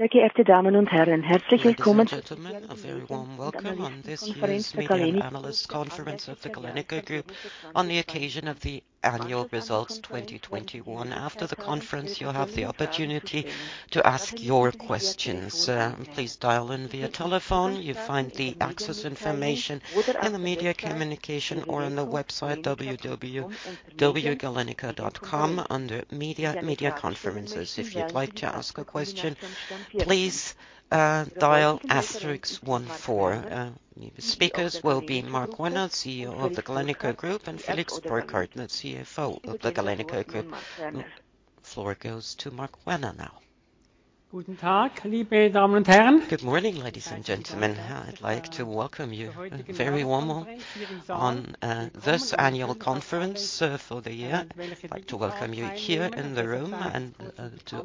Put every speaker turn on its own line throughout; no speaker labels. Ladies and gentlemen, a very warm welcome on this year's Media Analyst Conference of the Galenica Group on the occasion of the annual results 2021. After the conference, you'll have the opportunity to ask your questions. Please dial in via telephone. You find the access information in the media communication or on the website www.galenica.com under media conferences. If you'd like to ask a question, please dial asterisk 14. The speakers will be Marc Werner, CEO of the Galenica Group, and Felix Burkhard, the CFO of the Galenica Group. The floor goes to Marc Werner now.
Good morning, ladies and gentlemen. I'd like to welcome you very warmly on this annual conference for the year. I'd like to welcome you here in the room to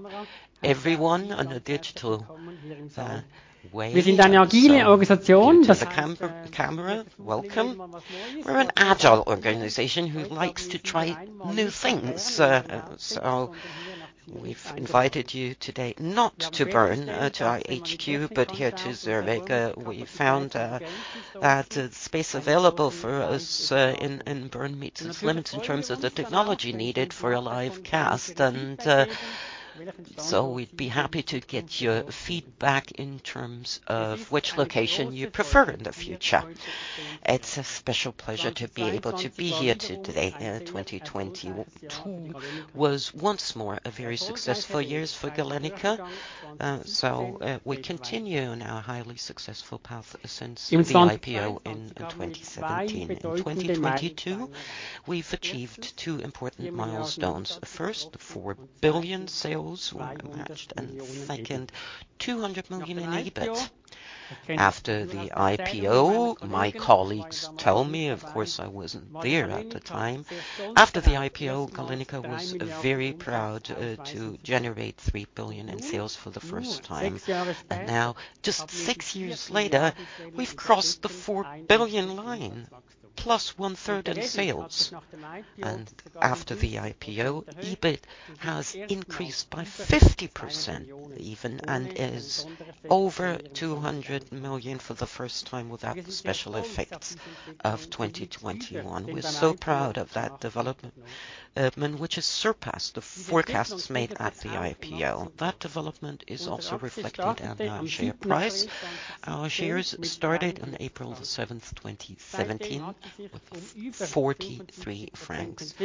everyone on a digital way. If you look into the camera, welcome. We're an agile organization who likes to try new things. We've invited you today not to Bern to our HQ, but here to Sursee. We found that space available for us in Bern meets its limits in terms of the technology needed for a live cast. We'd be happy to get your feedback in terms of which location you prefer in the future. It's a special pleasure to be able to be here today. 2022 was once more a very successful years for Galenica, we continue on our highly successful path since the IPO in 2017. In 2022, we've achieved two important milestones. First, 4 billion sales were matched, and second, 200 million in EBIT. After the IPO, my colleagues tell me, of course, I wasn't there at the time. After the IPO, Galenica was very proud to generate 3 billion in sales for the first time. Now, just six years later, we've crossed the 4 billion line, plus 1/3 in sales. After the IPO, EBIT has increased by 50% even and is over 200 million for the first time without the special effects of 2021. We're so proud of that development, which has surpassed the forecasts made at the IPO. That development is also reflected in our share price. Our shares started on April the seventh, 2017, with 43 francs,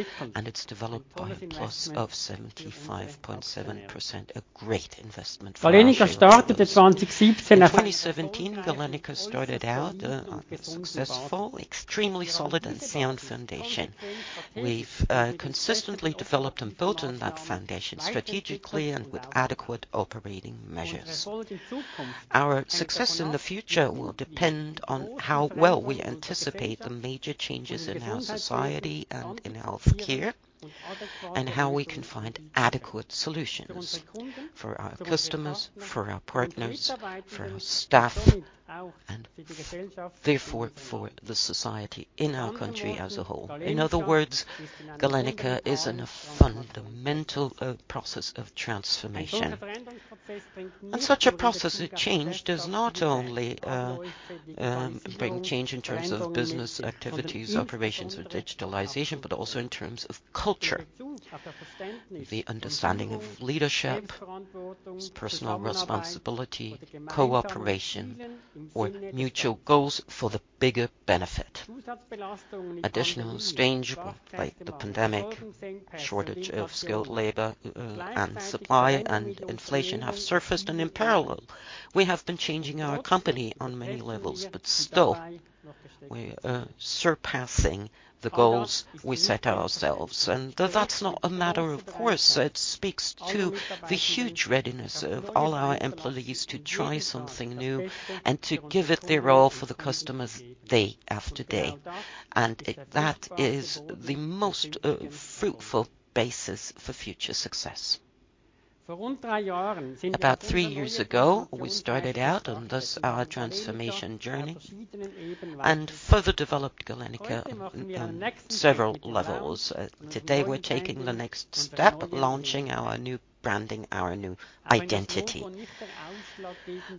it's developed by a plus of 75.7%. A great investment for our shareholders. In 2017, Galenica started out on a successful, extremely solid and sound foundation. We've consistently developed and built on that foundation strategically and with adequate operating measures. Our success in the future will depend on how well we anticipate the major changes in our society and in healthcare and how we can find adequate solutions for our customers, for our partners, for our staff, and therefore for the society in our country as a whole. In other words, Galenica is in a fundamental process of transformation. Such a process of change does not only bring change in terms of business activities, operations, or digitalization, but also in terms of culture. The understanding of leadership, personal responsibility, cooperation, or mutual goals for the bigger benefit. Additional strains like the pandemic, shortage of skilled labor, and supply and inflation have surfaced, and in parallel, we have been changing our company on many levels, but still we are surpassing the goals we set ourselves. That's not a matter of course. It speaks to the huge readiness of all our employees to try something new and to give it their all for the customers day after day. That is the most fruitful basis for future success. About three years ago, we started out on this, our transformation journey and further developed Galenica on several levels. Today we're taking the next step, launching our new branding, our new identity.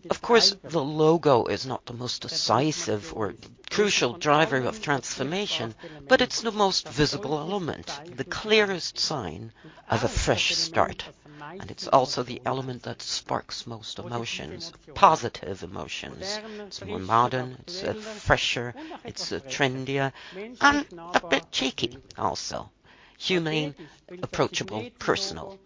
Of course, the logo is not the most decisive or crucial driver of transformation, but it's the most visible element, the clearest sign of a fresh start. It's also the element that sparks most emotions, positive emotions. It's more modern, it's fresher, it's trendier, and a bit cheeky also. Humane, approachable, personal.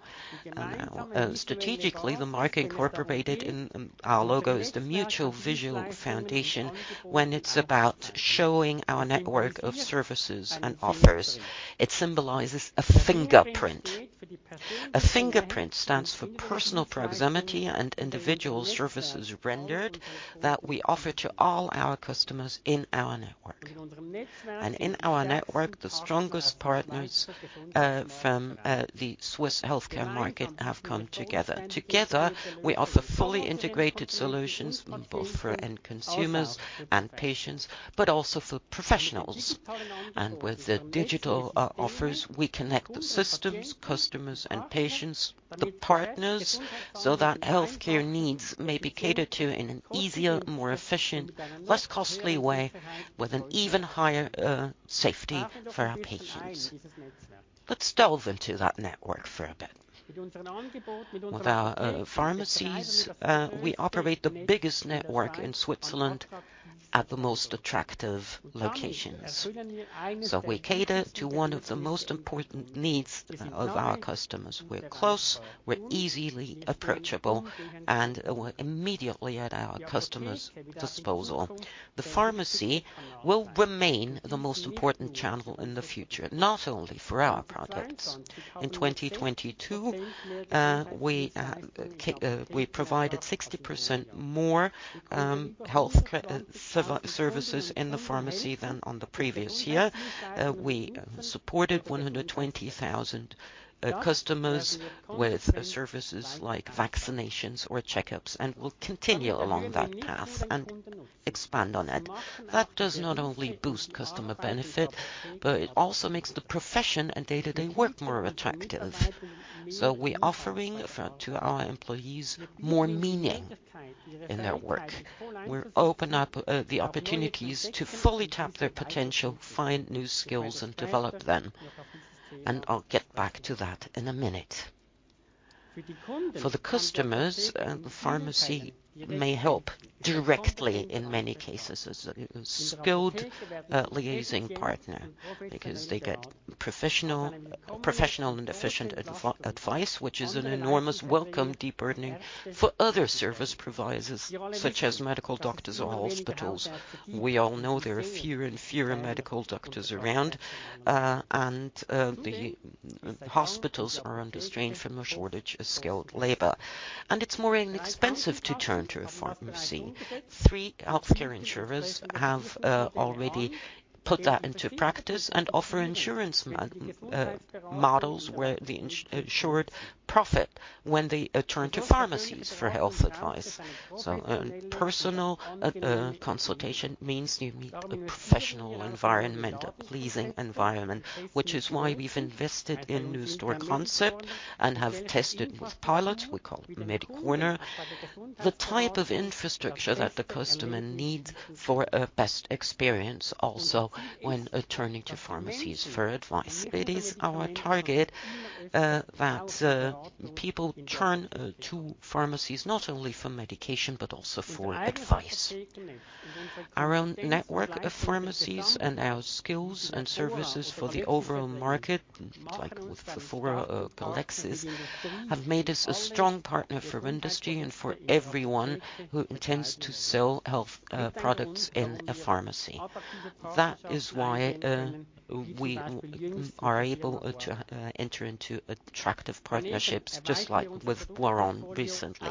Strategically, the mark incorporated in our logo is the mutual visual foundation when it's about showing our network of services and offers. It symbolizes a fingerprint. A fingerprint stands for personal proximity and individual services rendered that we offer to all our customers in our network. In our network, the strongest partners from the Swiss healthcare market have come together. Together, we offer fully integrated solutions both for end consumers and patients, but also for professionals. With the digital offers, we connect the systems, customers and patients, the partners, so that healthcare needs may be catered to in an easier, more efficient, less costly way with an even higher safety for our patients. Let's delve into that network for a bit. With our pharmacies, we operate the biggest network in Switzerland at the most attractive locations. We cater to one of the most important needs of our customers. We're close, we're easily approachable, and we're immediately at our customers' disposal. The pharmacy will remain the most important channel in the future, not only for our products. In 2022, we provided 60% more, health care services in the pharmacy than on the previous year. We supported 120,000, customers with services like vaccinations or checkups, and we'll continue along that path and expand on it. That does not only boost customer benefit, but it also makes the profession and day-to-day work more attractive. We offering to our employees more meaning in their work. We open up, the opportunities to fully tap their potential, find new skills and develop them. I'll get back to that in a minute. For the customers, the pharmacy may help directly in many cases as a skilled, liaising partner because they get professional and efficient advice, which is an enormous welcome de-burdening for other service providers, such as medical doctors or hospitals. We all know there are fewer and fewer medical doctors around, and the hospitals are under strain from a shortage of skilled labor, and it's more inexpensive to turn to a pharmacy. Three healthcare insurers have already put that into practice and offer insurance models where the insured profit when they turn to pharmacies for health advice. A personal consultation means you meet a professional environment, a pleasing environment, which is why we've invested in new store concept and have tested with pilots, we call it the MediCorner, the type of infrastructure that the customer needs for a best experience also when turning to pharmacies for advice. It is our target that people turn to pharmacies not only for medication, but also for advice. Our own network of pharmacies and our skills and services for the overall market, like with Verfora, Galexis, have made us a strong partner for industry and for everyone who intends to sell health products in a pharmacy. That is why we are able to enter into attractive partnerships, just like with Boiron recently.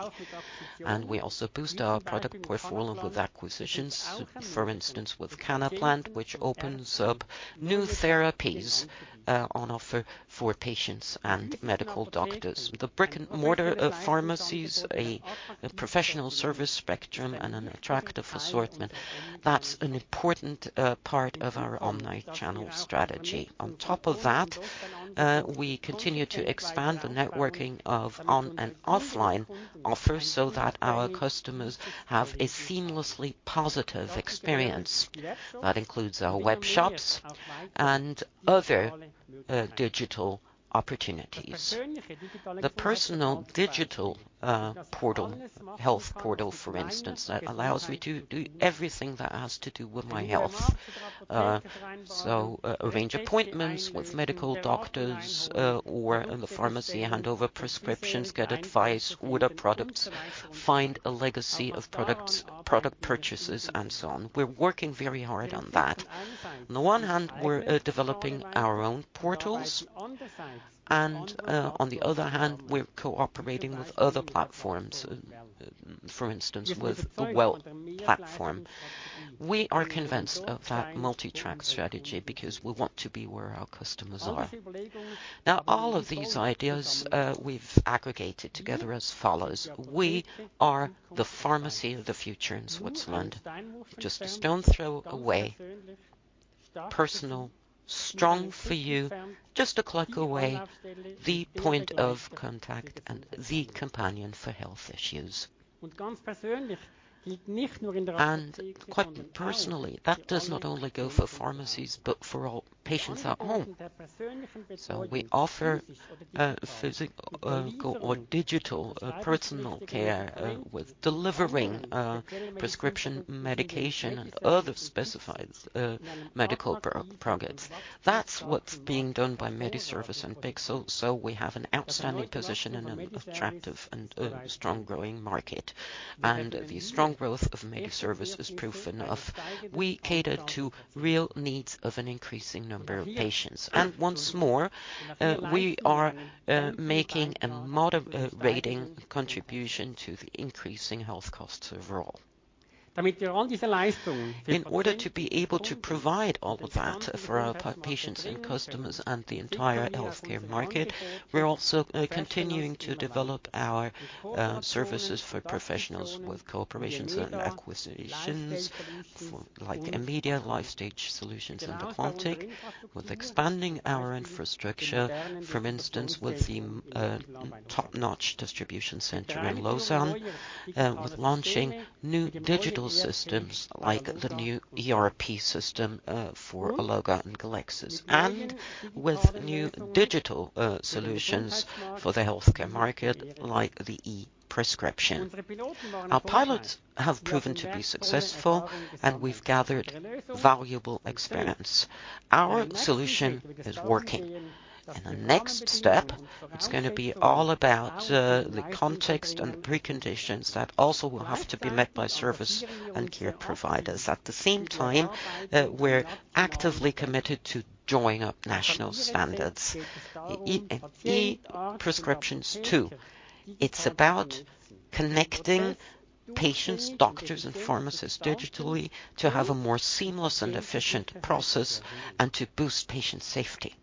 We also boost our product portfolio with acquisitions, for instance, with Cannaplant, which opens up new therapies on offer for patients and medical doctors. The brick-and-mortar pharmacies, a professional service spectrum and an attractive assortment, that's an important part of our omnichannel strategy. On top of that, we continue to expand the networking of on and offline offers so that our customers have a seamlessly positive experience. That includes our webshops and other digital opportunities. The personal digital portal, health portal, for instance, that allows me to do everything that has to do with my health, arrange appointments with medical doctors or in the pharmacy, hand over prescriptions, get advice with the products, find a legacy of products, product purchases, and so on. We're working very hard on that. On the one hand, we're developing our own portals, and on the other hand, we're cooperating with other platforms, for instance, with the Well platform. We are convinced of that multi-track strategy because we want to be where our customers are. Now, all of these ideas, we've aggregated together as follows: We are the pharmacy of the future in Switzerland, just a stone's throw away. Personal, strong for you, just a click away, the point of contact and the companion for health issues. Quite personally, that does not only go for pharmacies, but for all patients at home. We offer physic- or digital personal care, with delivering prescription medication and other specified medical pro-products. That's what's being done by MediService and Bichsel. We have an outstanding position in an attractive and strong growing market. The strong growth of MediService is proof enough. We cater to real needs of an increasing number of patients. Once more, we are making a moderate contribution to the increasing health costs overall. In order to be able to provide all of that for our patients and customers and the entire healthcare market, we're also continuing to develop our services for professionals with cooperations and acquisitions for like Emeda, Lifestage Solutions, and Aquantic. With expanding our infrastructure, for instance, with the top-notch distribution center in Lausanne, with launching new digital systems like the new ERP system for Alloga and Galexis, and with new digital solutions for the healthcare market, like the e-prescription. Our pilots have proven to be successful, and we've gathered valuable experience. Our solution is working. In the next step, it's gonna be all about the context and preconditions that also will have to be met by service and care providers. At the same time, we're actively committed to drawing up national standards, e-prescriptions too. It's about connecting patients, doctors, and pharmacists digitally to have a more seamless and efficient process and to boost patient safety.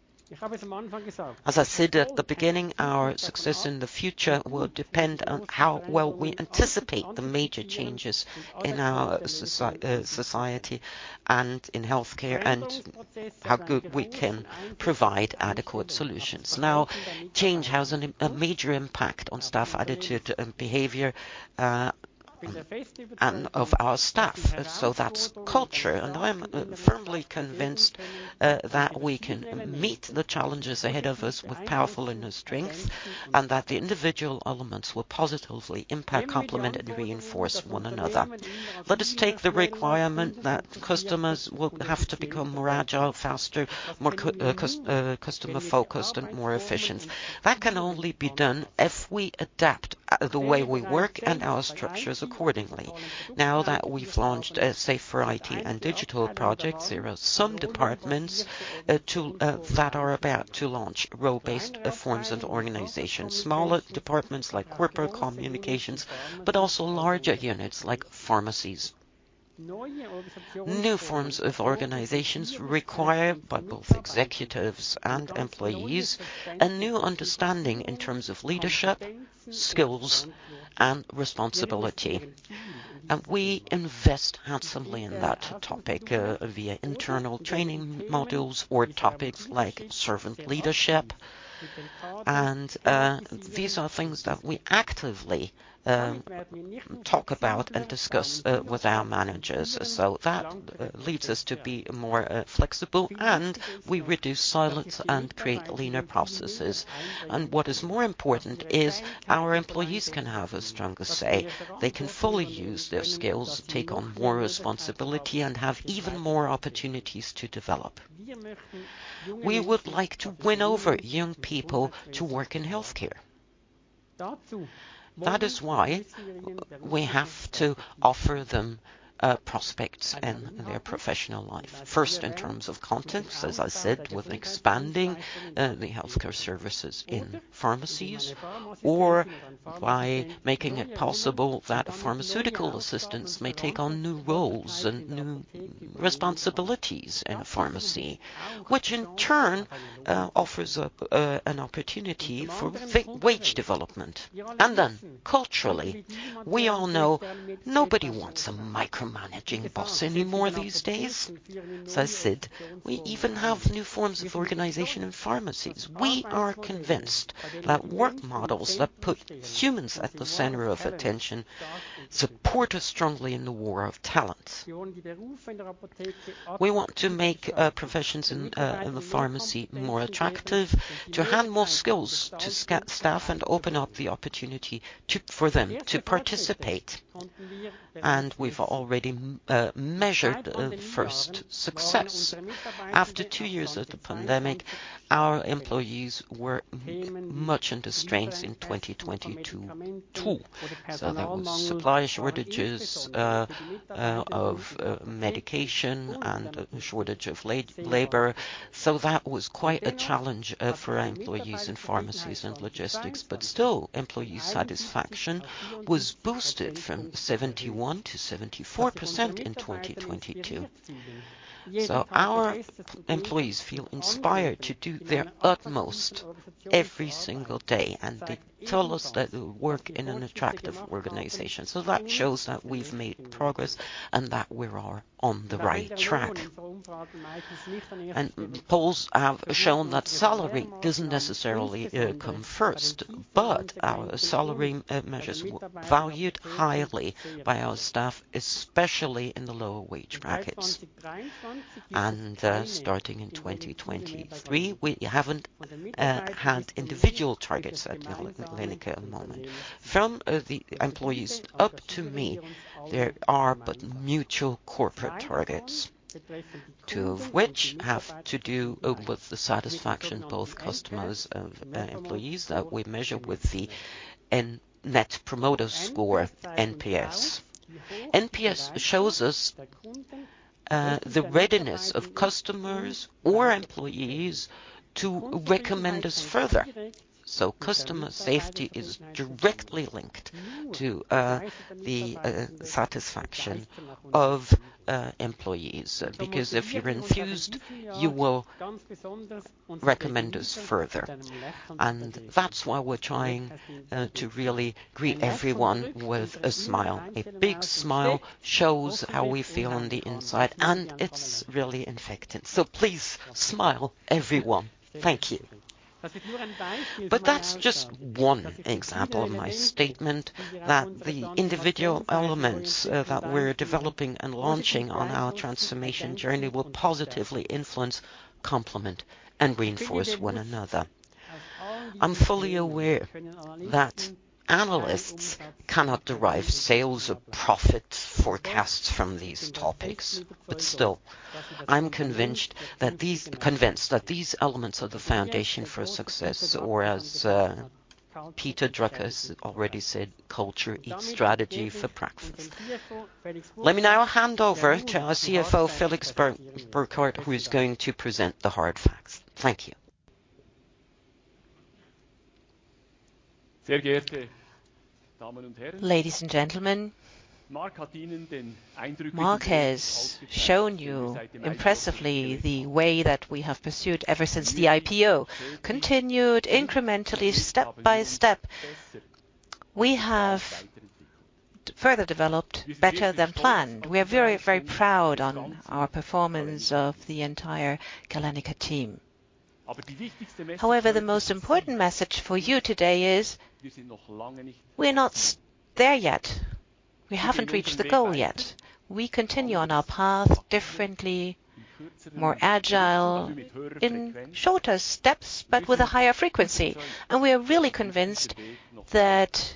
As I said at the beginning, our success in the future will depend on how well we anticipate the major changes in our society and in healthcare and how good we can provide adequate solutions. Now, change has a major impact on staff attitude and behavior and of our staff, so that's culture. I'm firmly convinced that we can meet the challenges ahead of us with powerful inner strength and that the individual elements will positively impact, complement, and reinforce one another. Let us take the requirement that customers will have to become more agile, faster, more customer-focused, and more efficient. That can only be done if we adapt the way we work and our structures accordingly. Now that we've launched a safer IT and digital projects, there are some departments that are about to launch role-based forms of organization. Smaller departments like corporate communications, but also larger units like pharmacies. New forms of organizations require by both executives and employees a new understanding in terms of leadership, skills, and responsibility. We invest handsomely in that topic via internal training modules or topics like servant leadership. These are things that we actively talk about and discuss with our managers, so that leads us to be more flexible, and we reduce silence and create leaner processes. What is more important is our employees can have a stronger say. They can fully use their skills, take on more responsibility, and have even more opportunities to develop. We would like to win over young people to work in healthcare. That is why we have to offer them prospects in their professional life. First, in terms of context, as I said, with expanding the healthcare services in pharmacies or by making it possible that pharmaceutical assistants may take on new roles and new responsibilities in pharmacy, which in turn offers an opportunity for wage development. Culturally, we all know nobody wants a micromanaging boss anymore these days. As I said, we even have new forms of organization in pharmacies. We are convinced that work models that put humans at the center of attention support us strongly in the war of talent. We want to make professions in the pharmacy more attractive, to hand more skills to staff, and open up the opportunity for them to participate. We've already measured first success. After two years of the pandemic, our employees were much under strains in 2022 too. There was supply shortages of medication and a shortage of labor. That was quite a challenge for our employees in pharmacies and logistics. Still, employee satisfaction was boosted from 71%-74% in 2022. Our employees feel inspired to do their utmost every single day, and they tell us that they work in an attractive organization. That shows that we've made progress and that we are on the right track. Polls have shown that salary doesn't necessarily come first, but our salary measures were valued highly by our staff, especially in the lower wage brackets. Starting in 2023, we haven't had individual targets at the Lenker at the moment. From the employees up to me, there are but mutual corporate targets, two of which have to do with the satisfaction both customers of employees that we measure with the Net Promoter Score, NPS. NPS shows us the readiness of customers or employees to recommend us further. Customer safety is directly linked to the satisfaction of employees. Because if you're enthused, you will recommend us further. That's why we're trying to really greet everyone with a smile. A big smile shows how we feel on the inside, and it's really infected. Please smile, everyone. Thank you. That's just one example of my statement that the individual elements that we're developing and launching on our transformation journey will positively influence, complement, and reinforce one another. I'm fully aware that analysts cannot derive sales or profit forecasts from these topics, but still, I'm convinced that these elements are the foundation for success. As Peter Drucker already said, "Culture eats strategy for breakfast." Let me now hand over to our CFO, Felix Burkhard, who is going to present the hard facts. Thank you.
Ladies and gentlemen, Mark has shown you impressively the way that we have pursued ever since the IPO, continued incrementally step by step. We have further developed better than planned. We are very, very proud on our performance of the entire Galenica team. The most important message for you today is we're not there yet. We haven't reached the goal yet. We continue on our path differently, more agile, in shorter steps, but with a higher frequency. We are really convinced that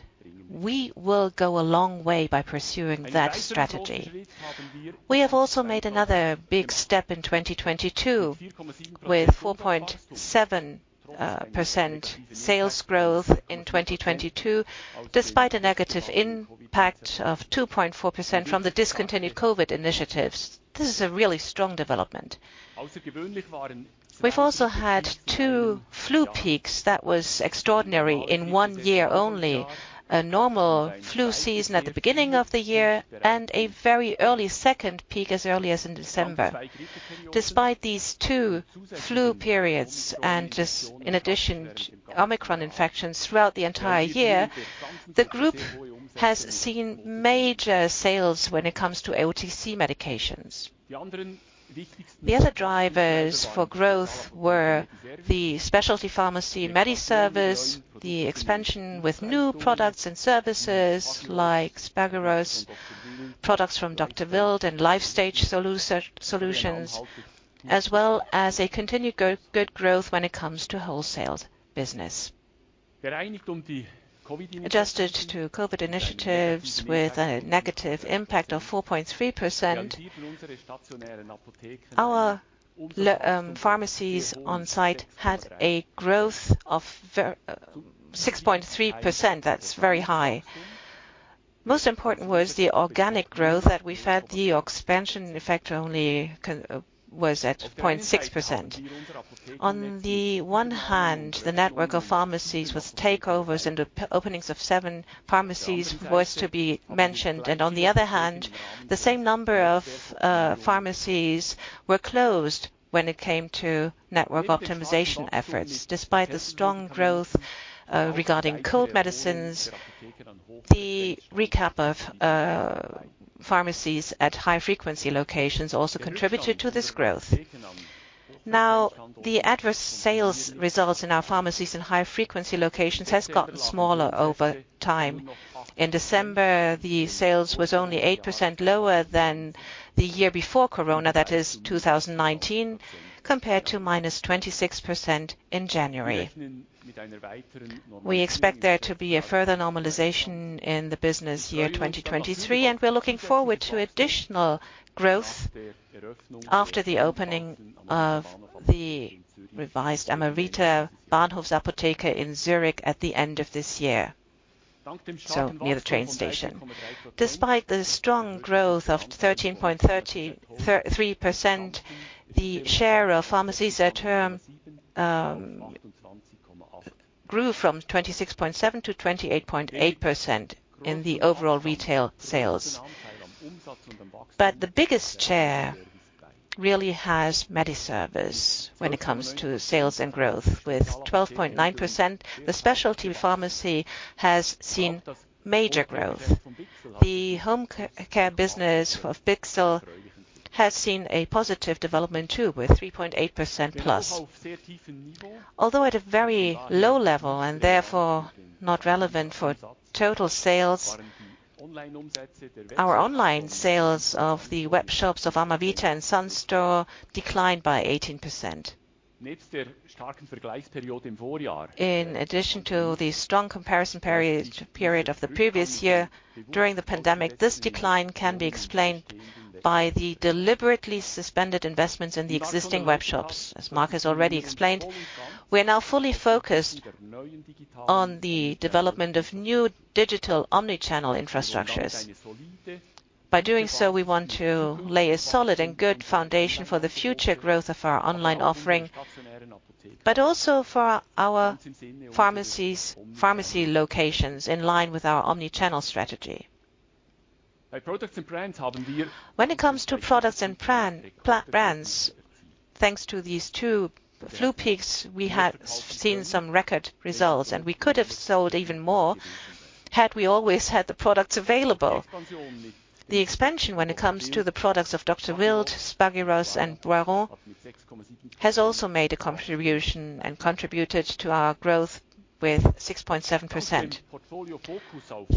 we will go a long way by pursuing that strategy. We have also made another big step in 2022 with 4.7% sales growth in 2022, despite a negative impact of 2.4% from the discontinued COVID initiatives. This is a really strong development. We've also had two flu peaks that was extraordinary in one year only. A normal flu season at the beginning of the year and a very early second peak as early as in December. Despite these two flu periods and just in addition, Omicron infections throughout the entire year, the group has seen major sales when it comes to OTC medications. The other drivers for growth were the specialty pharmacy MediService, the expansion with new products and services like Spagyros, products from Dr. Wild & Co. AG, and Lifestage Solutions, as well as a continued good growth when it comes to wholesale business. Adjusted to COVID initiatives with a negative impact of 4.3%, our pharmacies on site had a growth of 6.3%. That's very high. Most important was the organic growth that we've had. The expansion effect only was at 0.6%. On the one hand, the network of pharmacies with takeovers and the openings of seven pharmacies was to be mentioned. On the other hand, the same number of pharmacies were closed when it came to network optimization efforts. Despite the strong growth regarding cold medicines, the recap of pharmacies at high-frequency locations also contributed to this growth. The adverse sales results in our pharmacies in high-frequency locations has gotten smaller over time. In December, the sales was only 8% lower than the year before Corona, that is 2019, compared to -26% in January. We expect there to be a further normalization in the business year 2023, and we're looking forward to additional growth after the opening of the revised Amavita Bahnhofsapotheke in Zurich at the end of this year, so near the train station. Despite the strong growth of 13.3%, the share of pharmacies at term grew from 26.7% to 28.8% in the overall retail sales. The biggest share really has MediService when it comes to sales and growth. With 12.9%, the specialty pharmacy has seen major growth. The home care business of Bichsel has seen a positive development, too, with 3.8%+. At a very low level and therefore not relevant for total sales, our online sales of the web shops of Amavita and Sun Store declined by 18%. In addition to the strong comparison period of the previous year during the pandemic, this decline can be explained by the deliberately suspended investments in the existing web shops. As Marc has already explained, we are now fully focused on the development of new digital omnichannel infrastructures. By doing so, we want to lay a solid and good foundation for the future growth of our online offering, but also for our pharmacy's pharmacy locations in line with our omnichannel strategy. When it comes to products and brands, thanks to these two flu peaks, we have seen some record results, and we could have sold even more had we always had the products available. The expansion when it comes to the products of Dr. Wild, Spagyros, and Boiron has also made a contribution and contributed to our growth with 6.7%.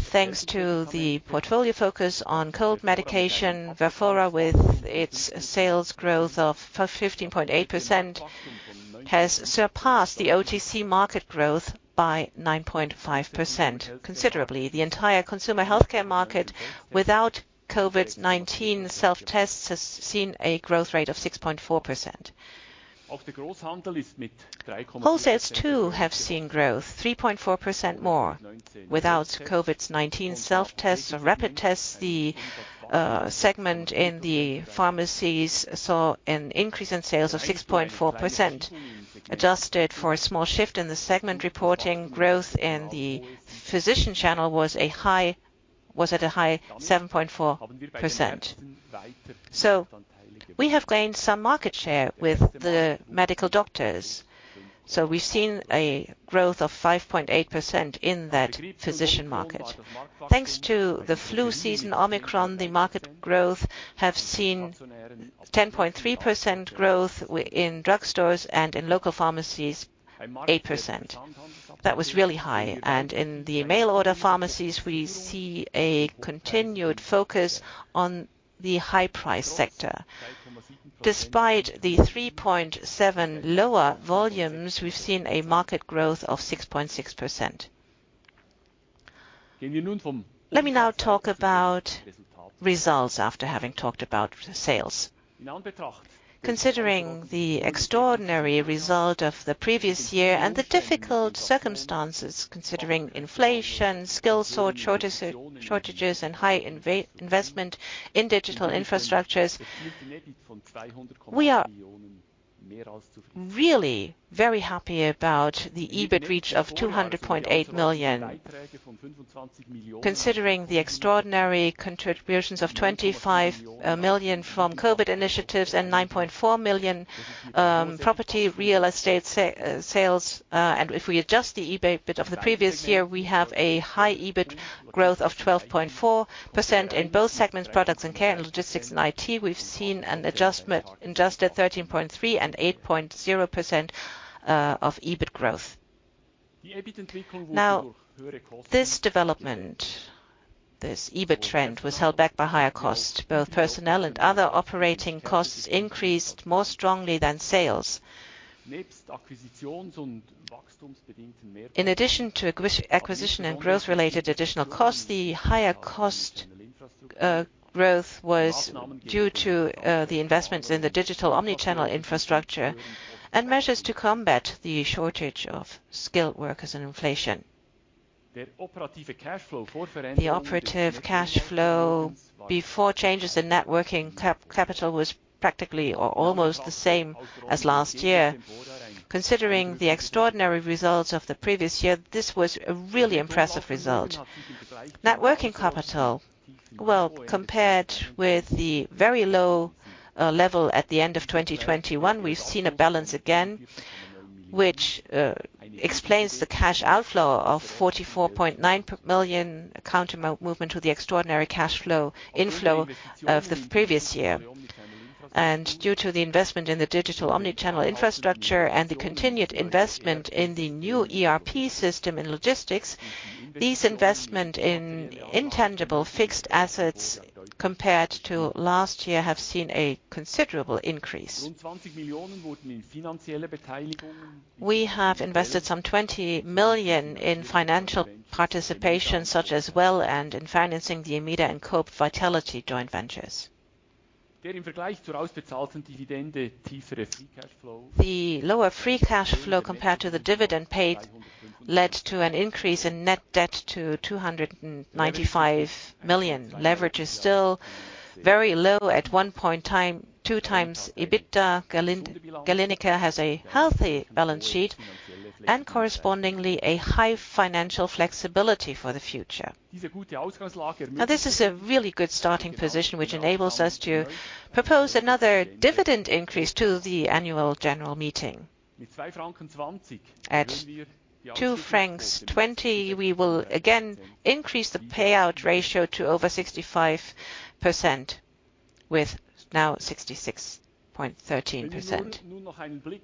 Thanks to the portfolio focus on cold medication, Verfora, with its sales growth of 15.8%, has surpassed the OTC market growth by 9.5%. The entire consumer healthcare market, without COVID-19 self-tests, has seen a growth rate of 6.4%. Wholesale, too, have seen growth, 3.4% more. Without COVID-19 self-tests or rapid tests, the segment in the pharmacies saw an increase in sales of 6.4%. Adjusted for a small shift in the segment reporting growth in the physician channel was at a high 7.4%. We have gained some market share with the medical doctors, we've seen a growth of 5.8% in that physician market. Thanks to the flu season, Omicron, the market growth have seen 10.3% growth in drugstores, and in local pharmacies, 8%. That was really high, in the mail order pharmacies, we see a continued focus on the high price sector. Despite the 3.7 lower volumes, we've seen a market growth of 6.6%. Let me now talk about results after having talked about sales. Considering the extraordinary result of the previous year and the difficult circumstances, considering inflation, skill shortages and high investment in digital infrastructures, we are really very happy about the EBIT reach of 200.8 million. Considering the extraordinary contributions of 25 million from COVID initiatives and 9.4 million property real estate sales, if we adjust the EBIT of the previous year, we have a high EBIT growth of 12.4% in both segments, products and care and logistics and IT. We've seen an adjustment in just the 13.3% and 8.0% of EBIT growth. This development, this EBIT trend, was held back by higher costs. Both personnel and other operating costs increased more strongly than sales. In addition to acquisition and growth-related additional costs, the higher cost growth was due to the investments in the digital omnichannel infrastructure and measures to combat the shortage of skilled workers and inflation. The operative cash flow before changes in net working capital was practically or almost the same as last year. Considering the extraordinary results of the previous year, this was a really impressive result. Net working capital, well, compared with the very low level at the end of 2021, we've seen a balance again which explains the cash outflow of 44.9 million counter movement to the extraordinary cash flow inflow of the previous year. Due to the investment in the digital omnichannel infrastructure and the continued investment in the new ERP system and logistics, these investment in intangible fixed assets, compared to last year, have seen a considerable increase. We have invested some 20 million in financial participation, such as Well and in financing the Meda and Coop Vitality joint ventures. The lower free cash flow compared to the dividend paid led to an increase in net debt to 295 million. Leverage is still very low at 1.2x EBITDA. Galenica has a healthy balance sheet and correspondingly a high financial flexibility for the future. This is a really good starting position, which enables us to propose another dividend increase to the annual general meeting. At 2.20 francs, we will again increase the payout ratio to over 65%, with now 66.13%.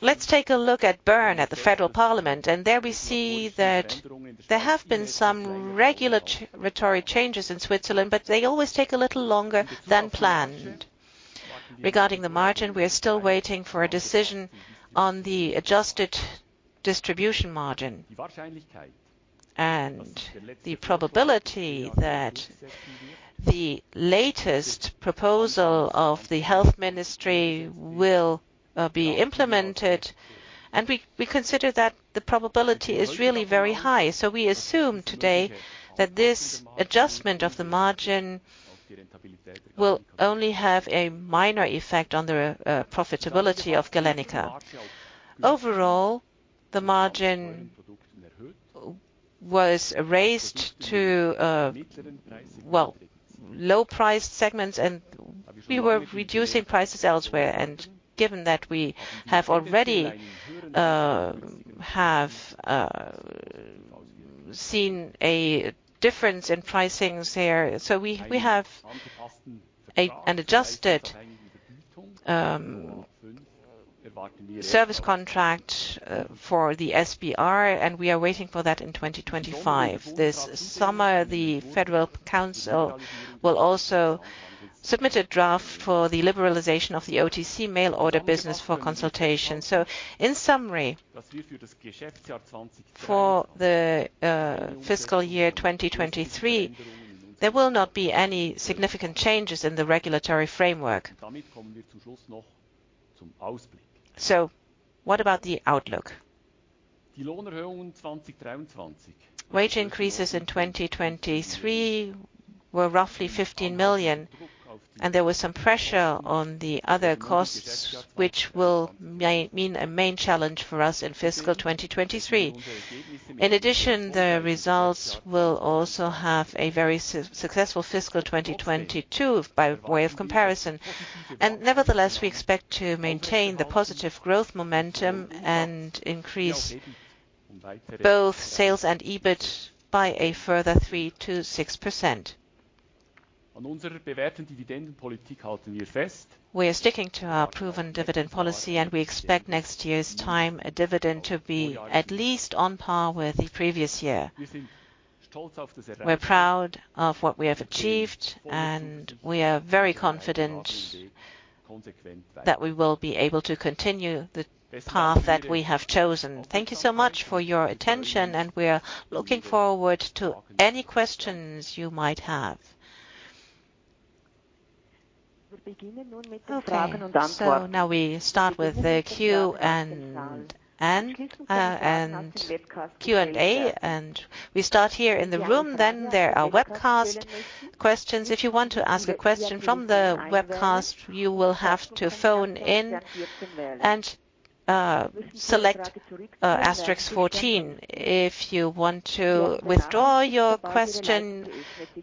Let's take a look at Bern at the federal parliament, and there we see that there have been some regulatory changes in Switzerland, but they always take a little longer than planned. Regarding the margin, we are still waiting for a decision on the adjusted distribution margin. The probability that the latest proposal of the health ministry will be implemented. We consider that the probability is really very high. We assume today that this adjustment of the margin will only have a minor effect on the profitability of Galenica. Overall, the margin was raised to, well, low priced segments, and we were reducing prices elsewhere. Given that we have already seen a difference in pricings there. We have an adjusted service contract for the SBR, and we are waiting for that in 2025. This summer, the Federal Council will also submit a draft for the liberalization of the OTC mail order business for consultation. In summary, for the fiscal year 2023, there will not be any significant changes in the regulatory framework. What about the outlook? Wage increases in 2023 were roughly 15 million, and there was some pressure on the other costs, which may mean a main challenge for us in fiscal 2023. In addition, the results will also have a very successful fiscal 2022 by way of comparison. Nevertheless, we expect to maintain the positive growth momentum and increase both sales and EBIT by a further 3%-6%. We are sticking to our proven dividend policy, and we expect next year's time a dividend to be at least on par with the previous year. We're proud of what we have achieved. We are very confident that we will be able to continue the path that we have chosen. Thank you so much for your attention. We are looking forward to any questions you might have. Okay. Now we start with the Q&A, and we start here in the room. There are webcast questions. If you want to ask a question from the webcast, you will have to phone in and select asterisk fourteen. If you want to withdraw your question,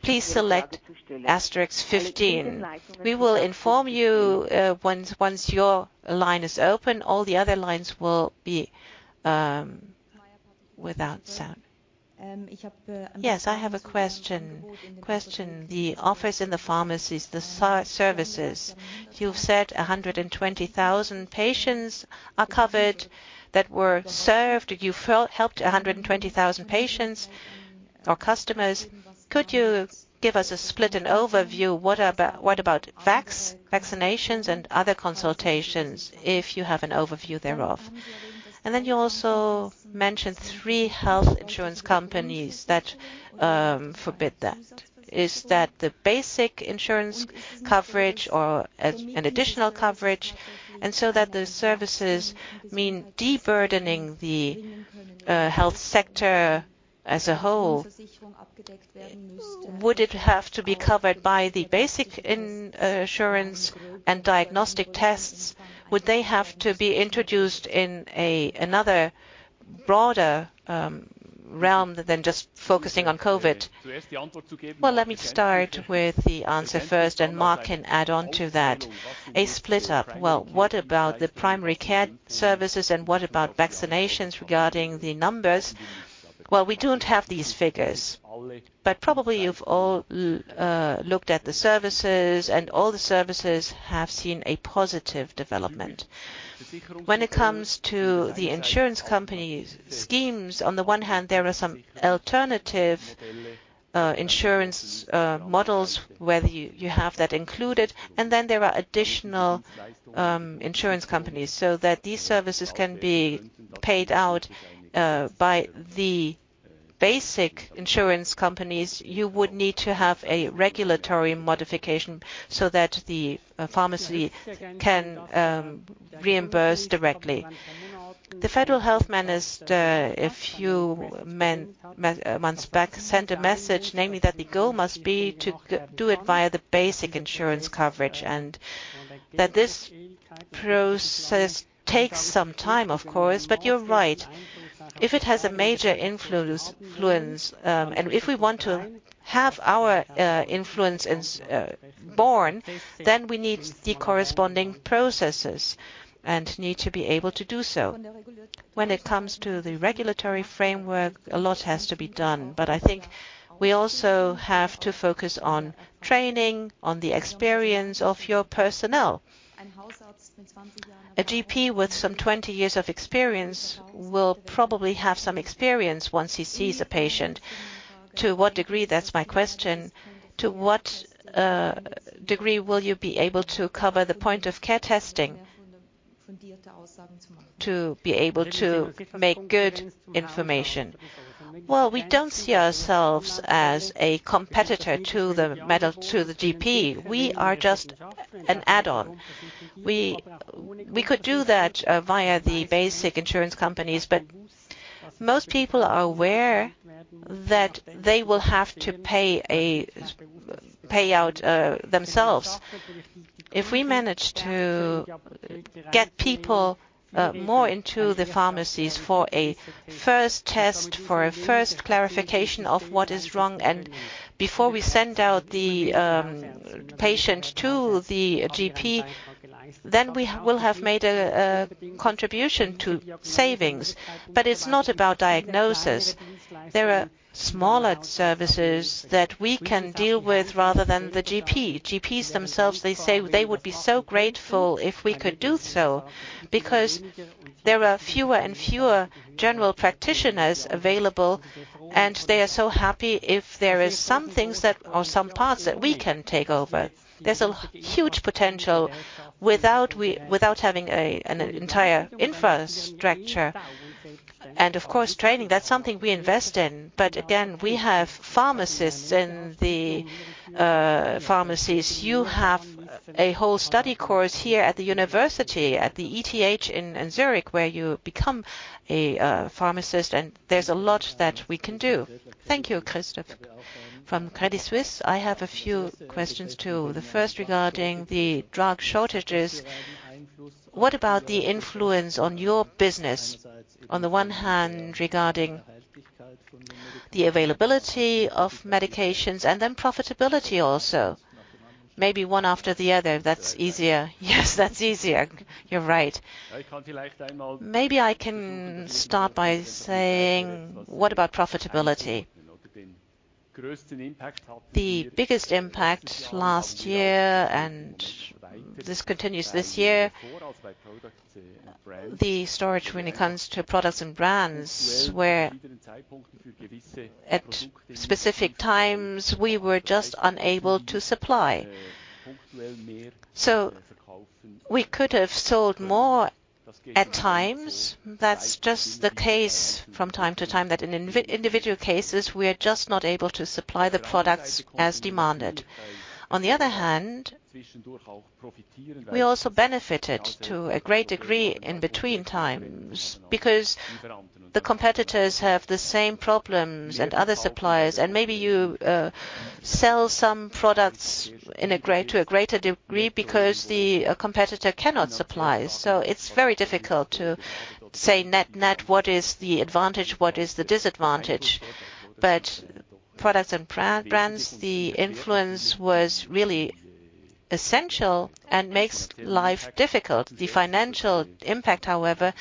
please select asterisk fifteen. We will inform you once your line is open. All the other lines will be without sound. Yes, I have a question. Question: the office in the pharmacies, the services. You've said 120,000 patients are covered that were served. You helped 120,000 patients or customers. Could you give us a split and overview? What about vaccinations and other consultations, if you have an overview thereof? You also mentioned three health insurance companies that forbid that. Is that the basic insurance coverage or an additional coverage? That the services mean de-burdening the health sector as a whole, would it have to be covered by the basic insurance and diagnostic tests? Would they have to be introduced in another broader realm than just focusing on COVID? Well, let me start with the answer first, and Marc can add on to that. A split up. Well, what about the primary care services and what about vaccinations regarding the numbers? Well, we don't have these figures, but probably you've all looked at the services and all the services have seen a positive development. When it comes to the insurance companies schemes, on the one hand, there are some alternative insurance models, whether you have that included and then there are additional insurance companies so that these services can be paid out by the basic insurance companies. You would need to have a regulatory modification so that the pharmacy can reimburse directly. The federal health minister a few months back sent a message, namely that the goal must be to do it via the basic insurance coverage and that this process takes some time, of course. You're right, if it has a major influence, and if we want to have our influence is borne, then we need the corresponding processes and need to be able to do so. When it comes to the regulatory framework, a lot has to be done, but I think we also have to focus on training, on the experience of your personnel. A GP with some 20 years of experience will probably have some experience once he sees a patient. To what degree? That's my question. To what degree will you be able to cover the point of care testing to be able to make good information? We don't see ourselves as a competitor to the GP. We are just an add-on. We could do that via the basic insurance companies, but most people are aware that they will have to pay out themselves. If we manage to get people more into the pharmacies for a first test, for a first clarification of what is wrong, and before we send out the patient to the GP, then we will have made a contribution to savings. It's not about diagnosis. There are smaller services that we can deal with rather than the GP. GPs themselves, they say they would be so grateful if we could do so, because there are fewer and fewer general practitioners available, and they are so happy if there is some things that or some parts that we can take over. There's a huge potential without having an entire infrastructure. Of course, training, that's something we invest in. Again, we have pharmacists in the pharmacies. You have a whole study course here at the university, at the ETH in Zurich, where you become a pharmacist, and there's a lot that we can do. Thank you, Christoph. From Credit Suisse, I have a few questions, too. The first regarding the drug shortages. What about the influence on your business? On the one hand, regarding the availability of medications and then profitability also. Maybe one after the other, that's easier. Yes, that's easier. You're right. Maybe I can start by saying, what about profitability? The biggest impact last year, and this continues this year, the shortage when it comes to products and brands, where at specific times we were just unable to supply. We could have sold more at times. That's just the case from time to time, that in individual cases, we are just not able to supply the products as demanded. On the other hand, we also benefited to a great degree in between times because the competitors have the same problems and other suppliers. Maybe you sell some products to a greater degree because the competitor cannot supply. It's very difficult to say net, what is the advantage, what is the disadvantage. Products and brands, the influence was really essential and makes life difficult. The financial impact, however,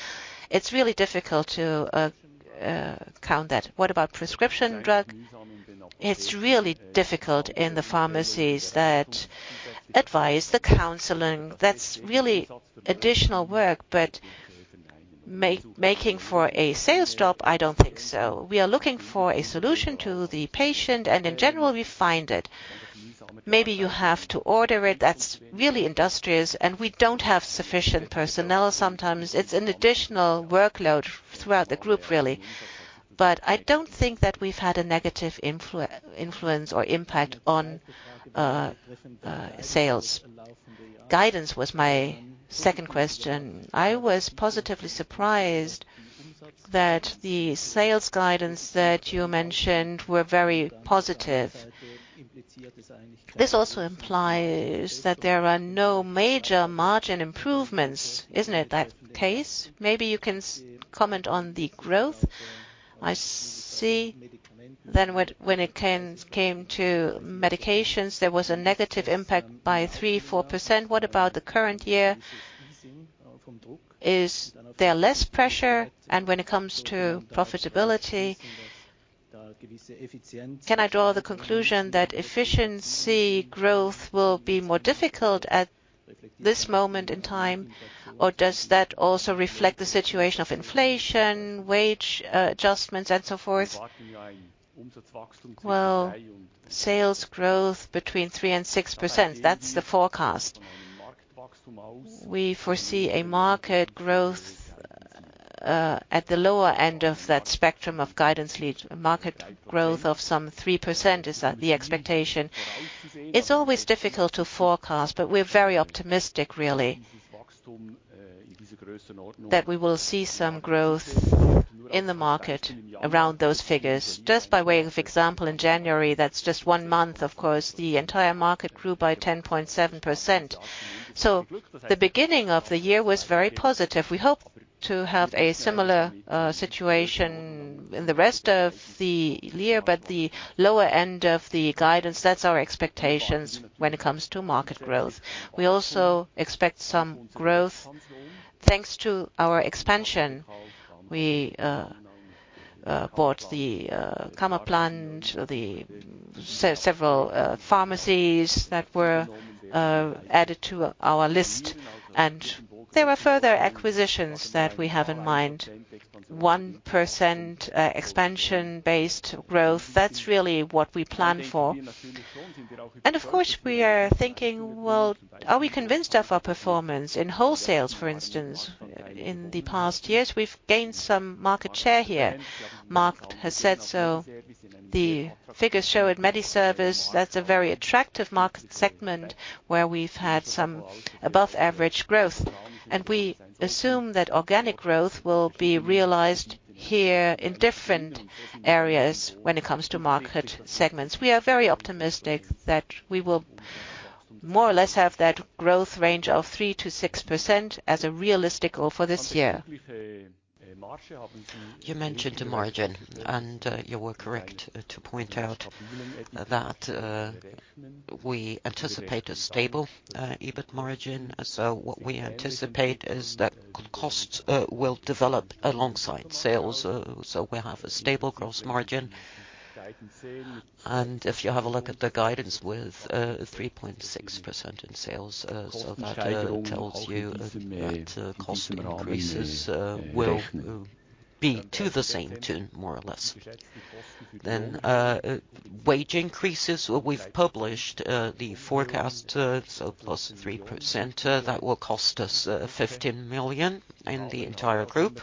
it's really difficult to count that. What about prescription drug? It's really difficult in the pharmacies that advise the counseling. That's really additional work, but making for a sales job, I don't think so. We are looking for a solution to the patient, and in general, we find it. Maybe you have to order it. That's really industrious, and we don't have sufficient personnel sometimes. It's an additional workload throughout the group, really. I don't think that we've had a negative influence or impact on sales. Guidance was my second question. I was positively surprised that the sales guidance that you mentioned were very positive. This also implies that there are no major margin improvements, isn't it that case? Maybe you can comment on the growth. I see then when it came to medications, there was a negative impact by 3%-4%. What about the current year? Is there less pressure? When it comes to profitability, can I draw the conclusion that efficiency growth will be more difficult at this moment in time, or does that also reflect the situation of inflation, wage adjustments, and so forth? Well, sales growth between 3% and 6%, that's the forecast. We foresee a market growth at the lower end of that spectrum of guidance leads. Market growth of some 3% is the expectation. It's always difficult to forecast, but we're very optimistic, really, that we will see some growth in the market around those figures. Just by way of example, in January, that's just 1 month, of course, the entire market grew by 10.7%. The beginning of the year was very positive. We hope to have a similar situation in the rest of the year. The lower end of the guidance, that's our expectations when it comes to market growth. We also expect some growth thanks to our expansion. We bought the Kammerplan, the several pharmacies that were added to our list, and there were further acquisitions that we have in mind. 1% expansion-based growth, that's really what we plan for. Of course, we are thinking, well, are we convinced of our performance? In wholesales, for instance, in the past years, we've gained some market share here. Marc has said so. The figures show at MediService, that's a very attractive market segment where we've had some above average growth. We assume that organic growth will be realized here in different areas when it comes to market segments. We are very optimistic that we will more or less have that growth range of 3%-6% as a realistic goal for this year.
You mentioned the margin, you were correct to point out that we anticipate a stable EBIT margin. What we anticipate is that costs will develop alongside sales, so we have a stable gross margin. If you have a look at the guidance with 3.6% in sales, so that tells you that cost increases will be to the same tune more or less. Wage increases, we've published the forecast, so +3%. That will cost us 15 million in the entire group.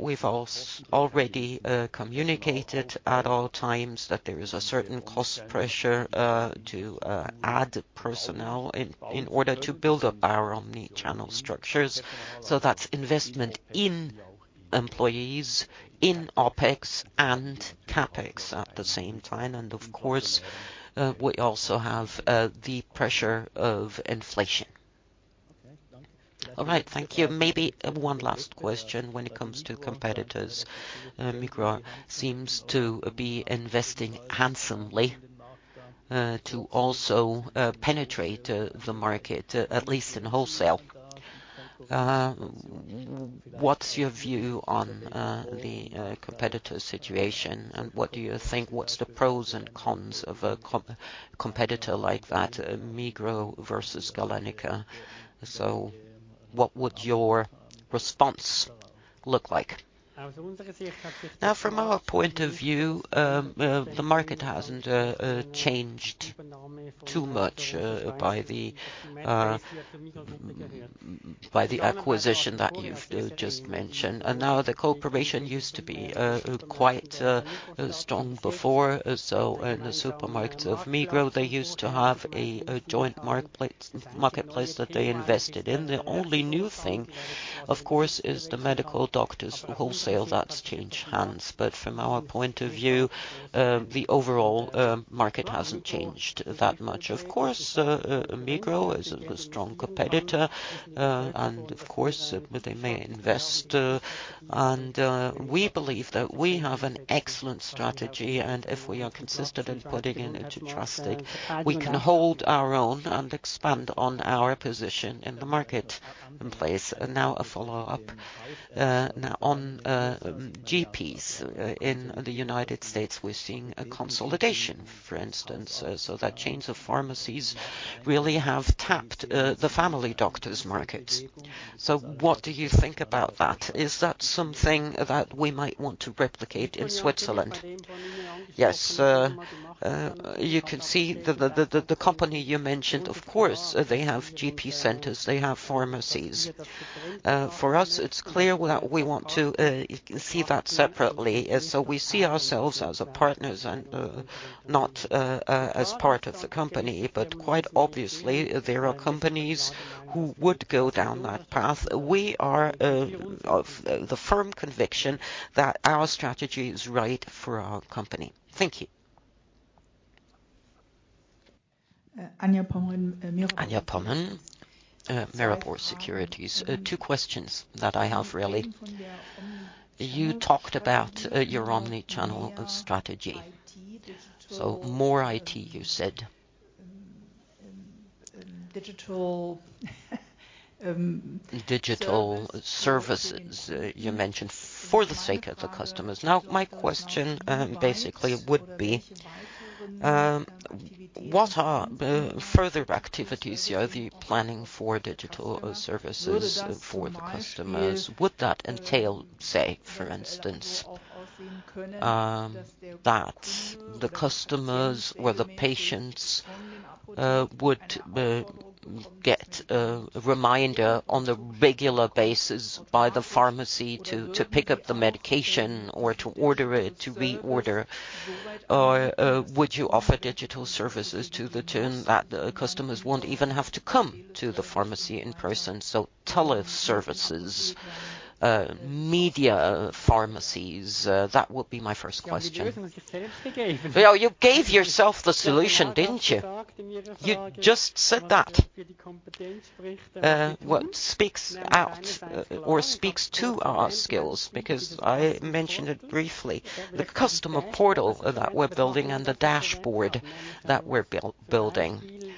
We've already communicated at all times that there is a certain cost pressure to add personnel in order to build up our omnichannel structures. That's investment in employees, in OpEx and CapEx at the same time. Of course, we also have the pressure of inflation. All right. Thank you. Maybe one last question when it comes to competitors. Migros seems to be investing handsomely to also penetrate the market at least in wholesale. What's your view on the competitor situation, and what do you think? What's the pros and cons of a competitor like that, Migros versus Galenica? What would your response look like? Now, from our point of view, the market hasn't changed too much by the acquisition that you've just mentioned. Now the cooperation used to be quite strong before. In the supermarket of Migros, they used to have a joint marketplace that they invested in. The only new thing, of course, is the medical doctors wholesale that's changed hands. From our point of view, the overall market hasn't changed that much. Of course, Migros is a strong competitor, and of course, they may invest. We believe that we have an excellent strategy, and if we are consistent in putting it into trusting, we can hold our own and expand on our position in the market in place. Now a follow-up, now on GPs in the United States, we're seeing a consolidation, for instance, so that chains of pharmacies really have tapped the family doctors market. What do you think about that? Is that something that we might want to replicate in Switzerland? Yes. You can see the company you mentioned, of course, they have GP centers, they have pharmacies. For us, it's clear that we want to see that separately. We see ourselves as partners and not as part of the company. Quite obviously, there are companies who would go down that path. We are of the firm conviction that our strategy is right for our company. Thank you. Anja Pomrehn, Mirabaud Securities. Two questions that I have really. You talked about your omnichannel strategy. More IT, you said. Digital services you mentioned for the sake of the customers. My question basically would be what are further activities you are the planning for digital services for the customers? Would that entail, say, for instance, that the customers or the patients would get a reminder on a regular basis by the pharmacy to pick up the medication or to order it, to reorder? Would you offer digital services to the tune that the customers won't even have to come to the pharmacy in person? Tele services, media pharmacies? That would be my first question. You gave yourself the solution, didn't you? You just said that. What speaks out or speaks to our skills, because I mentioned it briefly, the customer portal that we're building and the dashboard that we're building.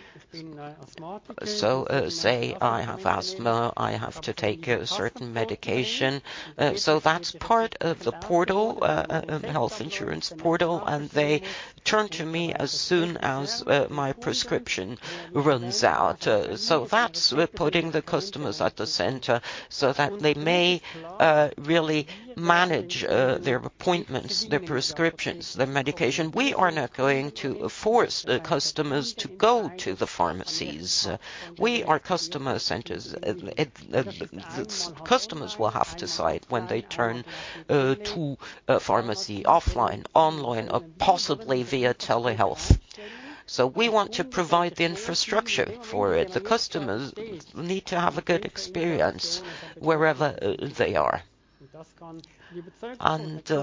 Say I have asthma, I have to take a certain medication. That's part of the portal, health insurance portal, and they turn to me as soon as my prescription runs out. That's putting the customers at the center so that they may really manage their appointments, their prescriptions, their medication. We are not going to force the customers to go to the pharmacies. We are customer centers. Customers will have to decide when they turn to a pharmacy offline, online, or possibly via telehealth. We want to provide the infrastructure for it. The customers need to have a good experience wherever they are.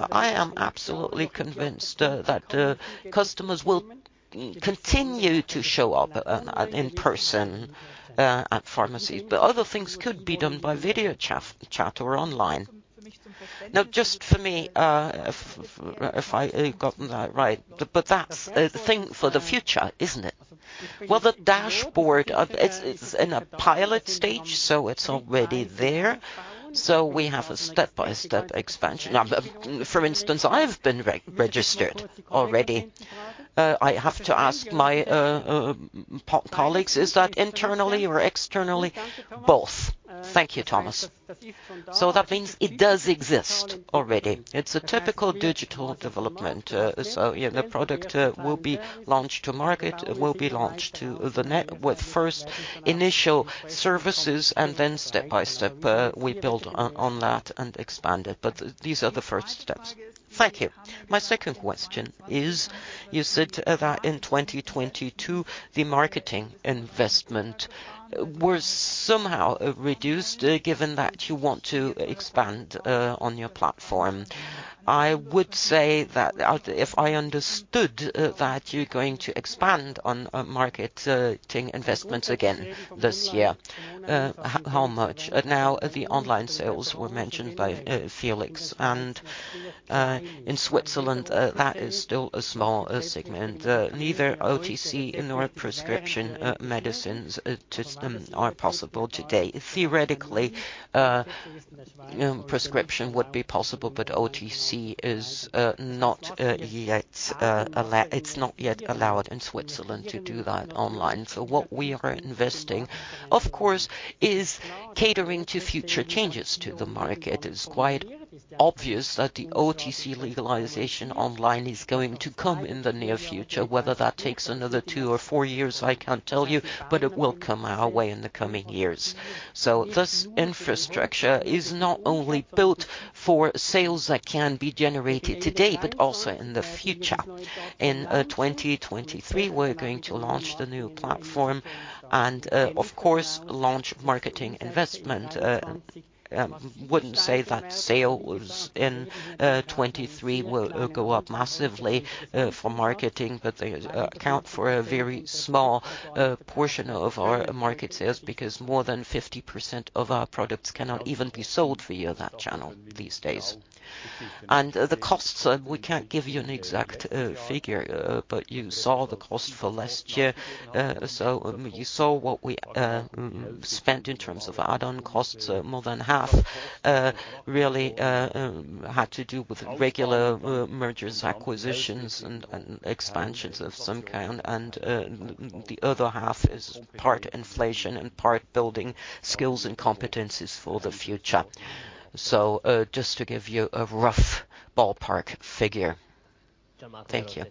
I am absolutely convinced that customers will continue to show up in person at pharmacies. Other things could be done by video chat or online. Just for me, if I gotten that right, that's a thing for the future, isn't it? The dashboard, it's in a pilot stage, so it's already there. We have a step-by-step expansion. For instance, I've been re-registered already. I have to ask my colleagues, is that internally or externally? Both. Thank you, Thomas. That means it does exist already. It's a typical digital development. So, yeah, the product will be launched to market. It will be launched to the well, first initial services and then step by step, we build on that and expand it. These are the first steps. Thank you. My second question is, you said that in 2022, the marketing investment were somehow reduced given that you want to expand on your platform. I would say that if I understood that you're going to expand on marketing investments again this year, how much? The online sales were mentioned by Felix, and in Switzerland, that is still a small segment. Neither OTC nor prescription medicines are possible today. Theoretically, prescription would be possible, but OTC is not yet allowed in Switzerland to do that online. What we are investing, of course, is catering to future changes to the market. It's quite obvious that the OTC legalization online is going to come in the near future. Whether that takes another two or four years, I can't tell you, but it will come our way in the coming years. This infrastructure is not only built for sales that can be generated today, but also in the future. In 2023, we're going to launch the new platform and, of course, launch marketing investment. Wouldn't say that sales in 2023 will go up massively for marketing, but they account for a very small portion of our market sales because more than 50% of our products cannot even be sold via that channel these days. The costs, we can't give you an exact figure, but you saw the cost for last year. You saw what we spent in terms of add-on costs. More than half really had to do with regular mergers, acquisitions and expansions of some kind. The other half is part inflation and part building skills and competencies for the future. Just to give you a rough ballpark figure. Thank you.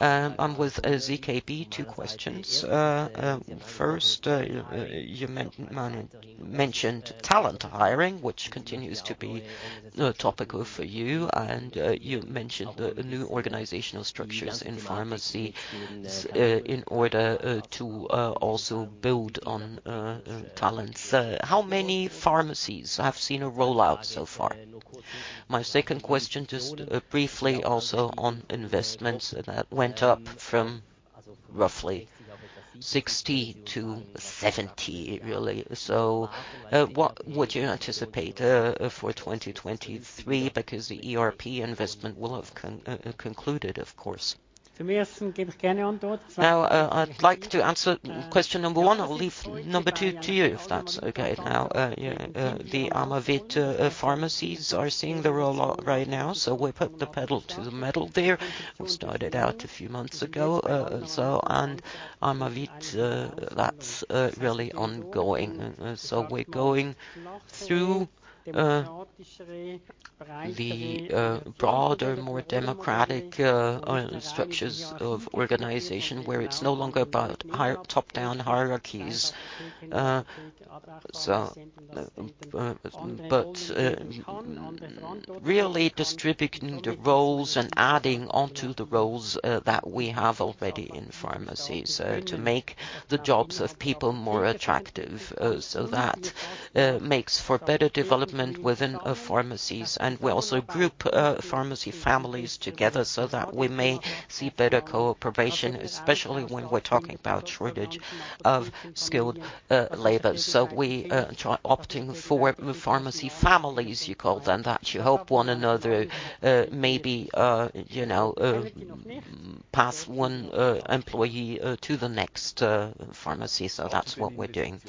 I'm with ZKB. Two questions. First, you mentioned talent hiring, which continues to be a topic of for you, and you mentioned the new organizational structures in pharmacy in order to also build on talents. How many pharmacies have seen a rollout so far? My second question, just briefly also on investments. That went up from roughly 60-70, really. What would you anticipate for 2023? Because the ERP investment will have concluded, of course. I'd like to answer question number one. I'll leave number two to you, if that's okay. The Amavita pharmacies are seeing the rollout right now, so we put the pedal to the metal there. We started out a few months ago. Amavita, that's really ongoing. We're going through the broader, more democratic structures of organization where it's no longer about top-down hierarchies. Really distributing the roles and adding onto the roles that we have already in pharmacies to make the jobs of people more attractive. That makes for better development within our pharmacies. We also group pharmacy families together so that we may see better cooperation, especially when we're talking about shortage of skilled labor. We try opting for pharmacy families, you call them that. You help one another, maybe, you know, pass one employee to the next pharmacy. That's what we're doing.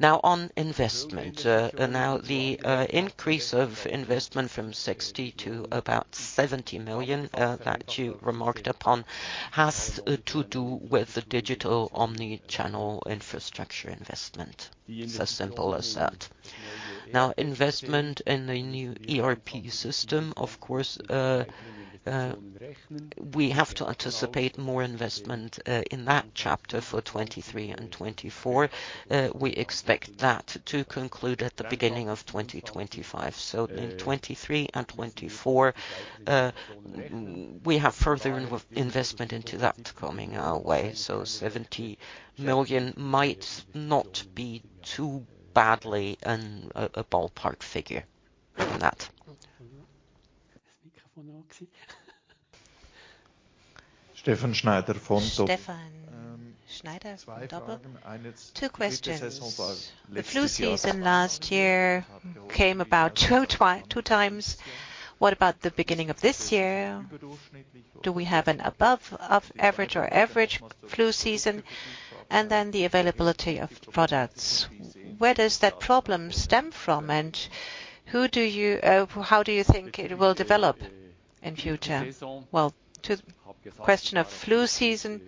Now on investment. Now the increase of investment from 60 million to about 70 million that you remarked upon has to do with the digital omnichannel infrastructure investment. It's as simple as that.
Investment in the new ERP system, of course, we have to anticipate more investment in that chapter for 2023 and 2024. We expect that to conclude at the beginning of 2025. In 2023 and 2024, we have further investment into that coming our way. 70 million might not be too badly a ballpark figure in that.
Stefan Schneider from Vontobel.
Stefan Schneider from Vontobel. Two questions. The flu season last year came about two times. What about the beginning of this year? Do we have an above of average or average flu season? The availability of products, where does that problem stem from and who do you, how do you think it will develop in future? Well, to the question of flu season,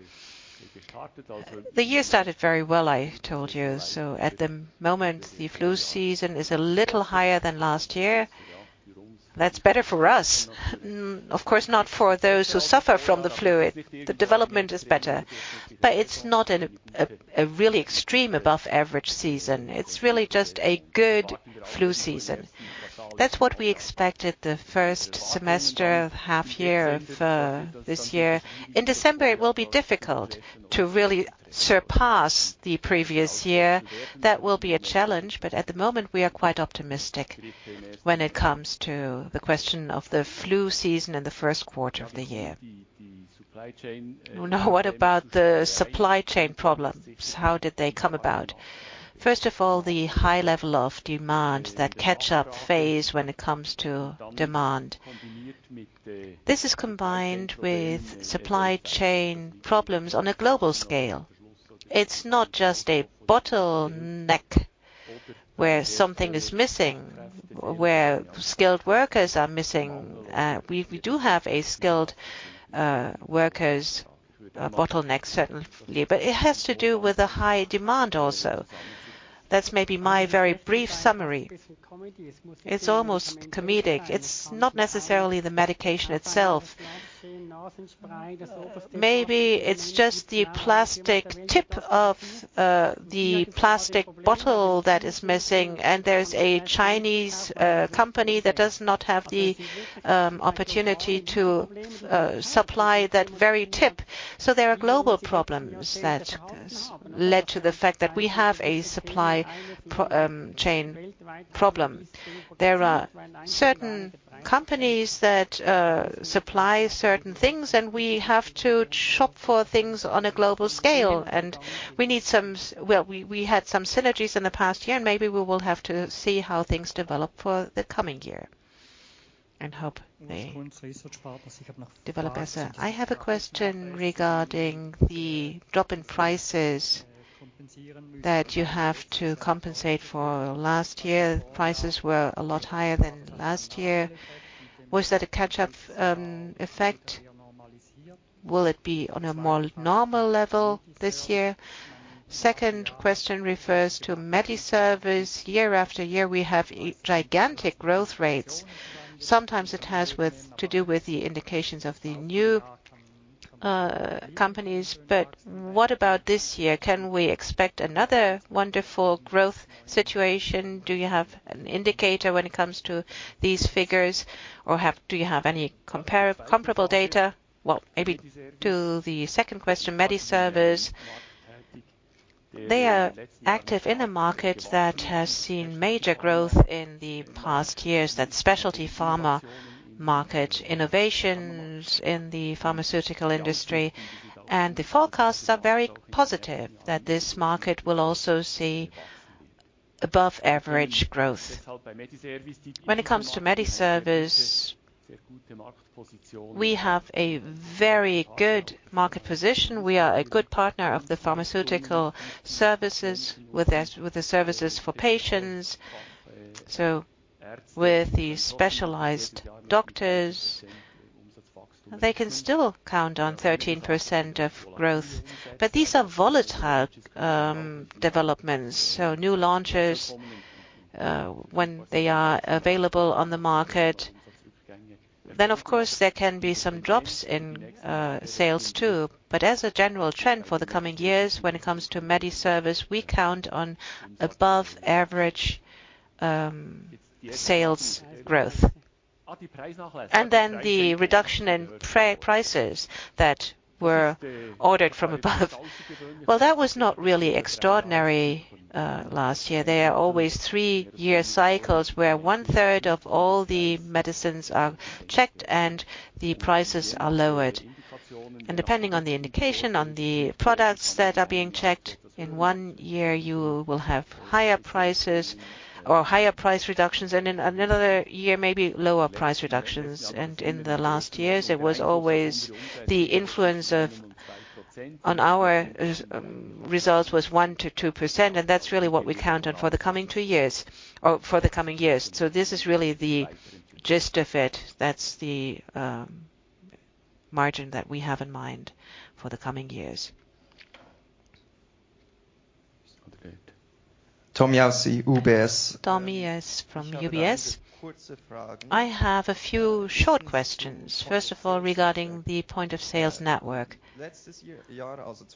the year started very well, I told you. At the moment, the flu season is a little higher than last year. That's better for us. Of course, not for those who suffer from the flu. The development is better, but it's not a really extreme above average season. It's really just a good flu season. That's what we expected the first semester, half year of this year. In December, it will be difficult to really surpass the previous year. That will be a challenge. At the moment we are quite optimistic when it comes to the question of the flu season in the first quarter of the year. Now what about the supply chain problems? How did they come about? First of all, the high level of demand, that catch-up phase when it comes to demand. This is combined with supply chain problems on a global scale. It's not just a bottleneck where something is missing, where skilled workers are missing. We do have a skilled workers bottleneck certainly. It has to do with the high demand also. That's maybe my very brief summary. It's almost comedic. It's not necessarily the medication itself. Maybe it's just the plastic tip of the plastic bottle that is missing. There's a Chinese company that does not have the opportunity to supply that very tip. There are global problems that led to the fact that we have a supply chain problem. There are certain companies that supply certain things. We have to shop for things on a global scale. We had some synergies in the past year, and maybe we will have to see how things develop for the coming year and hope they develop. I have a question regarding the drop in prices that you have to compensate for last year. Prices were a lot higher than last year. Was that a catch-up effect? Will it be on a more normal level this year? Second question refers to MediService. Year after year, we have gigantic growth rates. Sometimes it has to do with the indications of the new companies. What about this year? Can we expect another wonderful growth situation? Do you have an indicator when it comes to these figures or do you have any comparable data? Well, maybe to the second question, MediService. They are active in a market that has seen major growth in the past years, that specialty pharma market innovations in the pharmaceutical industry. The forecasts are very positive that this market will also see above average growth. When it comes to MediService, we have a very good market position. We are a good partner of the pharmaceutical services with the services for patients. With the specialized doctors, they can still count on 13% of growth. These are volatile developments. New launches, when they are available on the market, then of course there can be some drops in sales too. As a general trend for the coming years when it comes to med service, we count on above average sales growth. The reduction in prices that were ordered from above. Well, that was not really extraordinary last year. There are always three-year cycles where one-third of all the medicines are checked and the prices are lowered. Depending on the indication on the products that are being checked, in one year you will have higher prices or higher price reductions, and in another year, maybe lower price reductions. In the last years it was always the influence of on our results was 1%-2%, and that's really what we count on for the coming two years or for the coming years. This is really the gist of it. That's the margin that we have in mind for the coming years. Sebastian Vogel from UBS. I have a few short questions. First of all, regarding the point-of-sale network.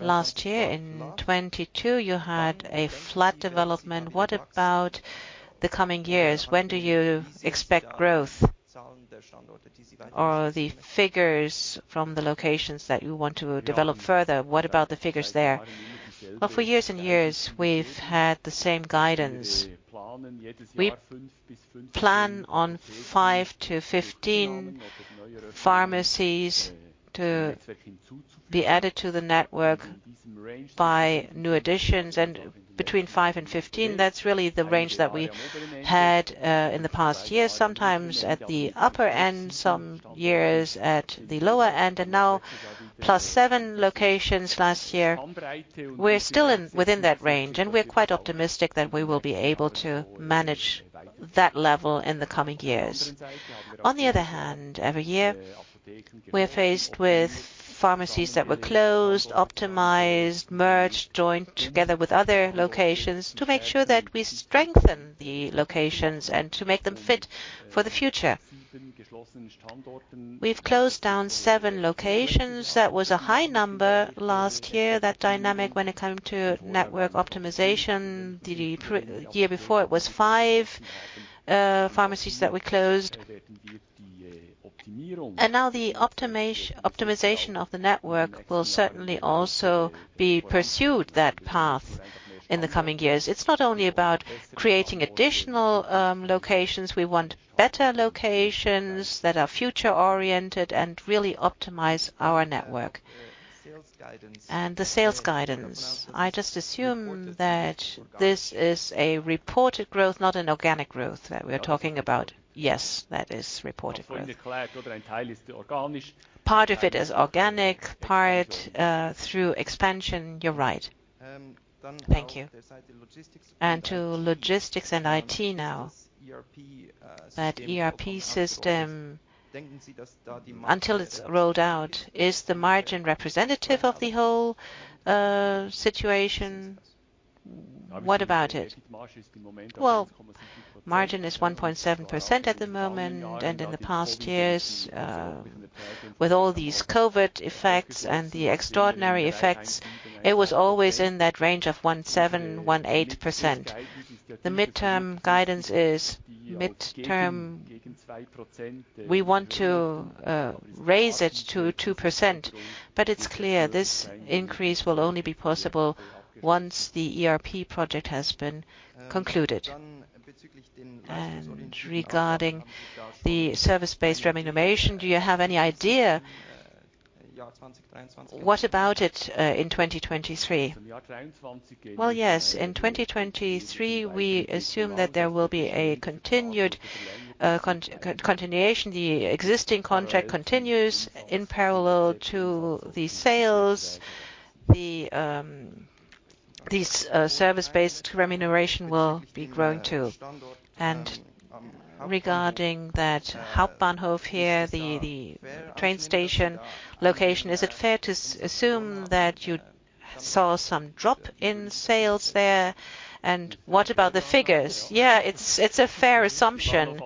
Last year in 2022, you had a flat development. What about the coming years? When do you expect growth? Or the figures from the locations that you want to develop further, what about the figures there? Well, for years and years, we've had the same guidance. We plan on five to 15 pharmacies to be added to the network by new additions. and 15, that's really the range that we've had in the past years, sometimes at the upper end, some years at the lower end, and now plus seven locations last year. We're still in, within that range, and we're quite optimistic that we will be able to manage that level in the coming years. On the other hand, every year, we're faced with pharmacies that were closed, optimized, merged, joined together with other locations to make sure that we strengthen the locations and to make them fit for the future. We've closed down seven locations. That was a high number last year. That dynamic when it came to network optimization, the year before it was five pharmacies that were closed. Now the optimization of the network will certainly also be pursued that path in the coming years. It's not only about creating additional locations. We want better locations that are future-oriented and really optimize our network. Sales guidance. The sales guidance. I just assume that this is a reported growth, not an organic growth that we're talking about. Yes, that is reported growth. Part of it is organic, part through expansion. You're right. Thank you. To logistics and IT now. That ERP system until it's rolled out, is the margin representative of the whole situation? What about it? Well, margin is 1.7% at the moment, and in the past years, with all these COVID effects and the extraordinary effects, it was always in that range of 1.7%-1.8%. The midterm guidance is midterm, we want to raise it to 2%. It's clear this increase will only be possible once the ERP project has been concluded. Regarding the service-based remuneration, do you have any idea? What about it, in 2023? Yes. In 2023, we assume that there will be a continued continuation. The existing contract continues in parallel to the sales. The this service-based remuneration will be grown too. Regarding that Hauptbahnhof here, the train station location, is it fair to assume that you saw some drop in sales there? And what about the figures? It's a fair assumption.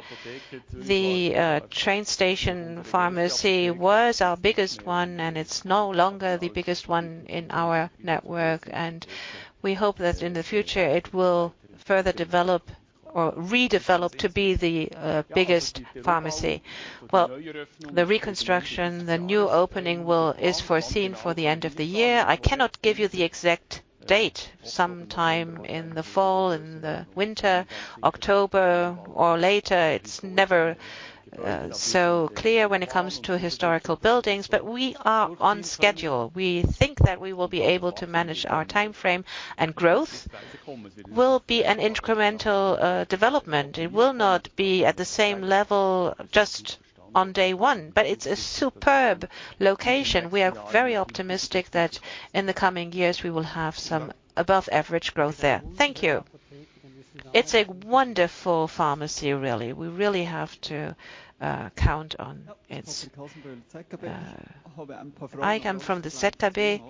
The train station pharmacy was our biggest one, and it's no longer the biggest one in our network, and we hope that in the future it will further develop or redevelop to be the biggest pharmacy. Well, the reconstruction, the new opening is foreseen for the end of the year. I cannot give you the exact date. Sometime in the fall, in the winter, October or later. It's never so clear when it comes to historical buildings, but we are on schedule. We think that we will be able to manage our timeframe and growth will be an incremental development. It will not be at the same level just on day one, but it's a superb location. We are very optimistic that in the coming years we will have some above average growth there. Thank you. It's a wonderful pharmacy, really. We really have to count on its. I come from the ZKB.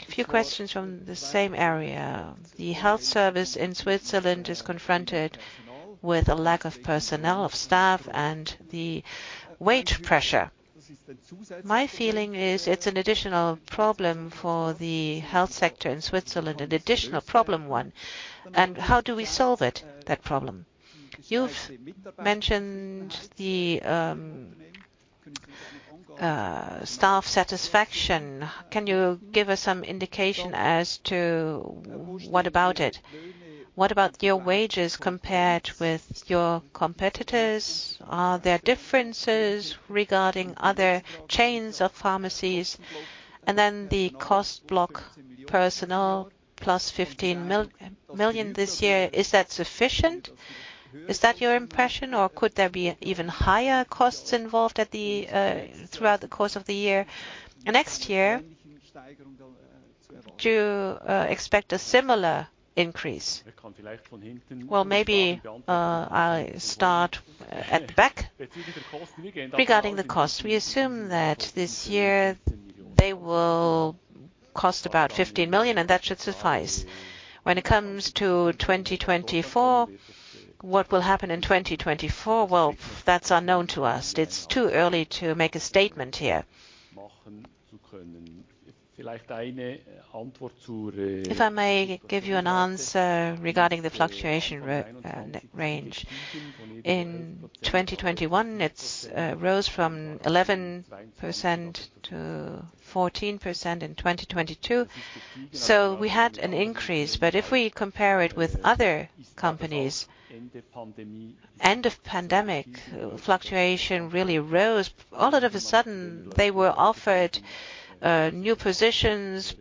A few questions from the same area. The health service in Switzerland is confronted with a lack of personnel, of staff, and the wage pressure. My feeling is it's an additional problem for the health sector in Switzerland, an additional problem one, and how do we solve it, that problem? You've mentioned the staff satisfaction. Can you give us some indication as to what about it? What about your wages compared with your competitors? Are there differences regarding other chains of pharmacies? Then the cost block personnel +15 million this year, is that sufficient? Is that your impression, or could there be even higher costs involved throughout the course of the year? Next year, do you expect a similar increase? Maybe, I start at the back. Regarding the cost, we assume that this year they will cost about 15 million, and that should suffice. When it comes to 2024, what will happen in 2024? That's unknown to us. It's too early to make a statement here. If I may give you an answer regarding the fluctuation range. In 2021, it rose from 11% to 14% in 2022. We had an increase, but if we compare it with other companies, end of pandemic, fluctuation really rose. All of a sudden they were offered new positions,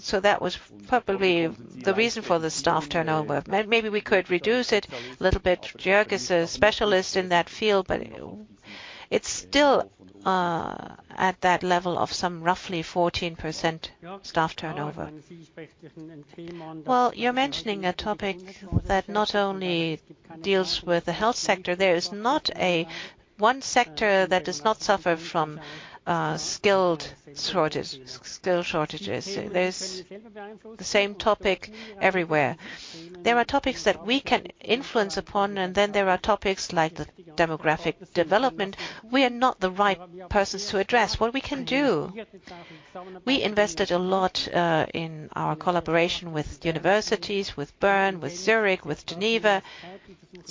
so that was probably the reason for the staff turnover. Maybe we could reduce it a little bit. Jörg is a specialist in that field, but it's still at that level of some roughly 14% staff turnover. Well, you're mentioning a topic that not only deals with the health sector. There is not a one sector that does not suffer from skill shortages. There's the same topic everywhere. There are topics that we can influence upon, there are topics like the demographic development. We are not the right persons to address. What we can do, we invested a lot in our collaboration with universities, with Bern, with Zurich, with Geneva.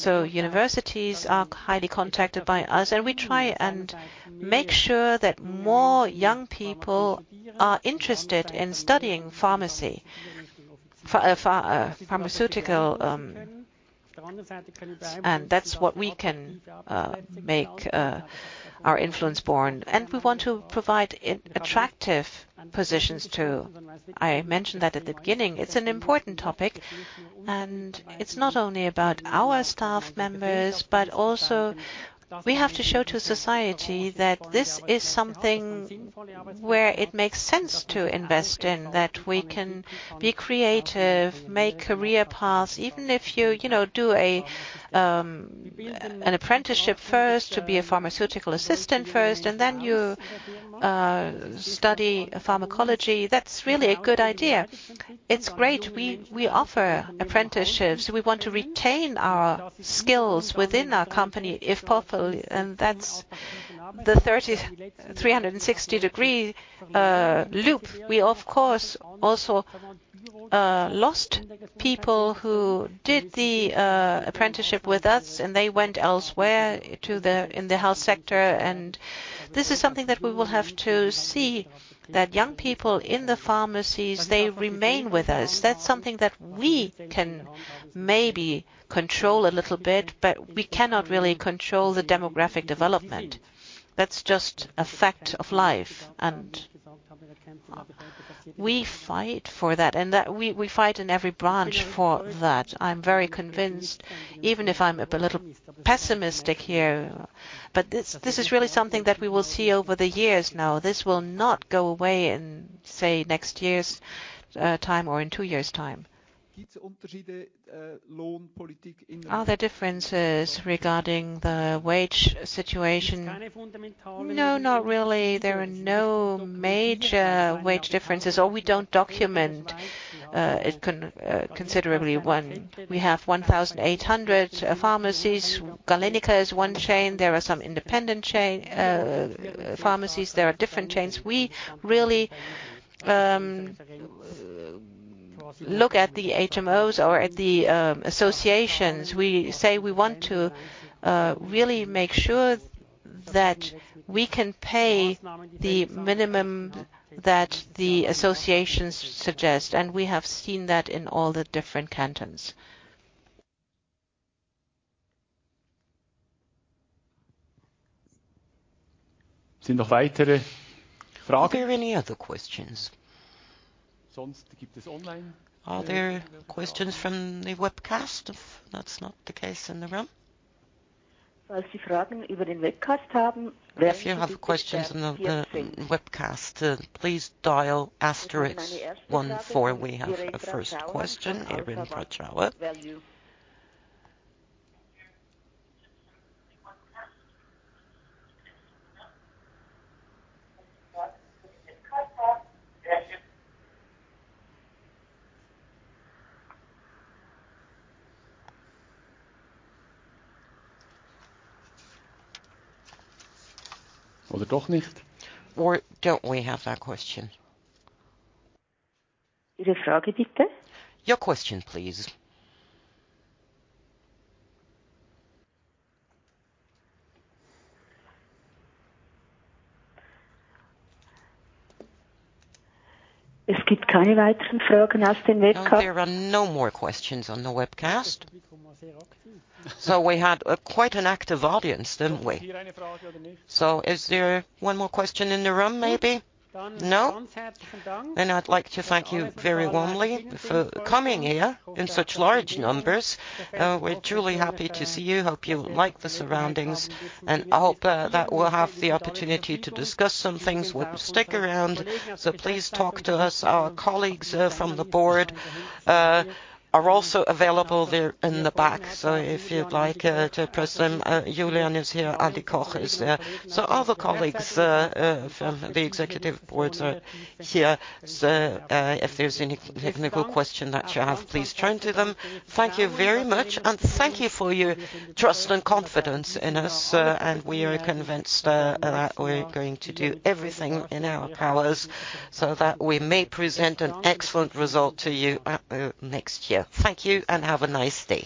Universities are highly contacted by us, we try and make sure that more young people are interested in studying pharmacy. Pharmaceutical. That's what we can make our influence born. We want to provide attractive positions, too. I mentioned that at the beginning. It's an important topic, it's not only about our staff members, but also we have to show to society that this is something where it makes sense to invest in, that we can be creative, make career paths. Even if you know, do a an apprenticeship first to be a pharmaceutical assistant first, and then you study pharmacology, that's really a good idea. It's great. We offer apprenticeships. We want to retain our skills within our company, if possible, and that's the 360 degree loop. We, of course, also lost people who did the apprenticeship with us, and they went elsewhere in the health sector. This is something that we will have to see that young people in the pharmacies, they remain with us. That's something that we can maybe control a little bit, but we cannot really control the demographic development. That's just a fact of life. We fight for that, and that we fight in every branch for that. I'm very convinced, even if I'm a little pessimistic here. This is really something that we will see over the years now. This will not go away in, say, next year's time or in two years' time. Are there differences regarding the wage situation? No, not really. There are no major wage differences, or we don't document it considerably when we have 1,800 pharmacies. Galenica is one chain. There are some independent chain pharmacies. There are different chains. We really look at the HMOs or at the associations. We say we want to really make sure that we can pay the minimum that the associations suggest. We have seen that in all the different cantons.
Are there any other questions? Are there questions from the webcast if that's not the case in the room? If you have questions on the webcast, please dial asterisk 14. We have a first question, Eren Brahimaj. Don't we have a question? Your question, please. No, there are no more questions on the webcast. We had quite an active audience, didn't we? Is there one more question in the room, maybe? No? I'd like to thank you very warmly for coming here in such large numbers. We're truly happy to see you. Hope you like the surroundings. I hope that we'll have the opportunity to discuss some things. We'll stick around, so please talk to us. Our colleagues from the board are also available. They're in the back, so if you'd like to address them, Julian is here, Andreas Koch is there. Other colleagues from the executive boards are here. If there's any technical question that you have, please turn to them. Thank you very much, and thank you for your trust and confidence in us. We are convinced that we're going to do everything in our powers so that we may present an excellent result to you next year. Thank you and have a nice day.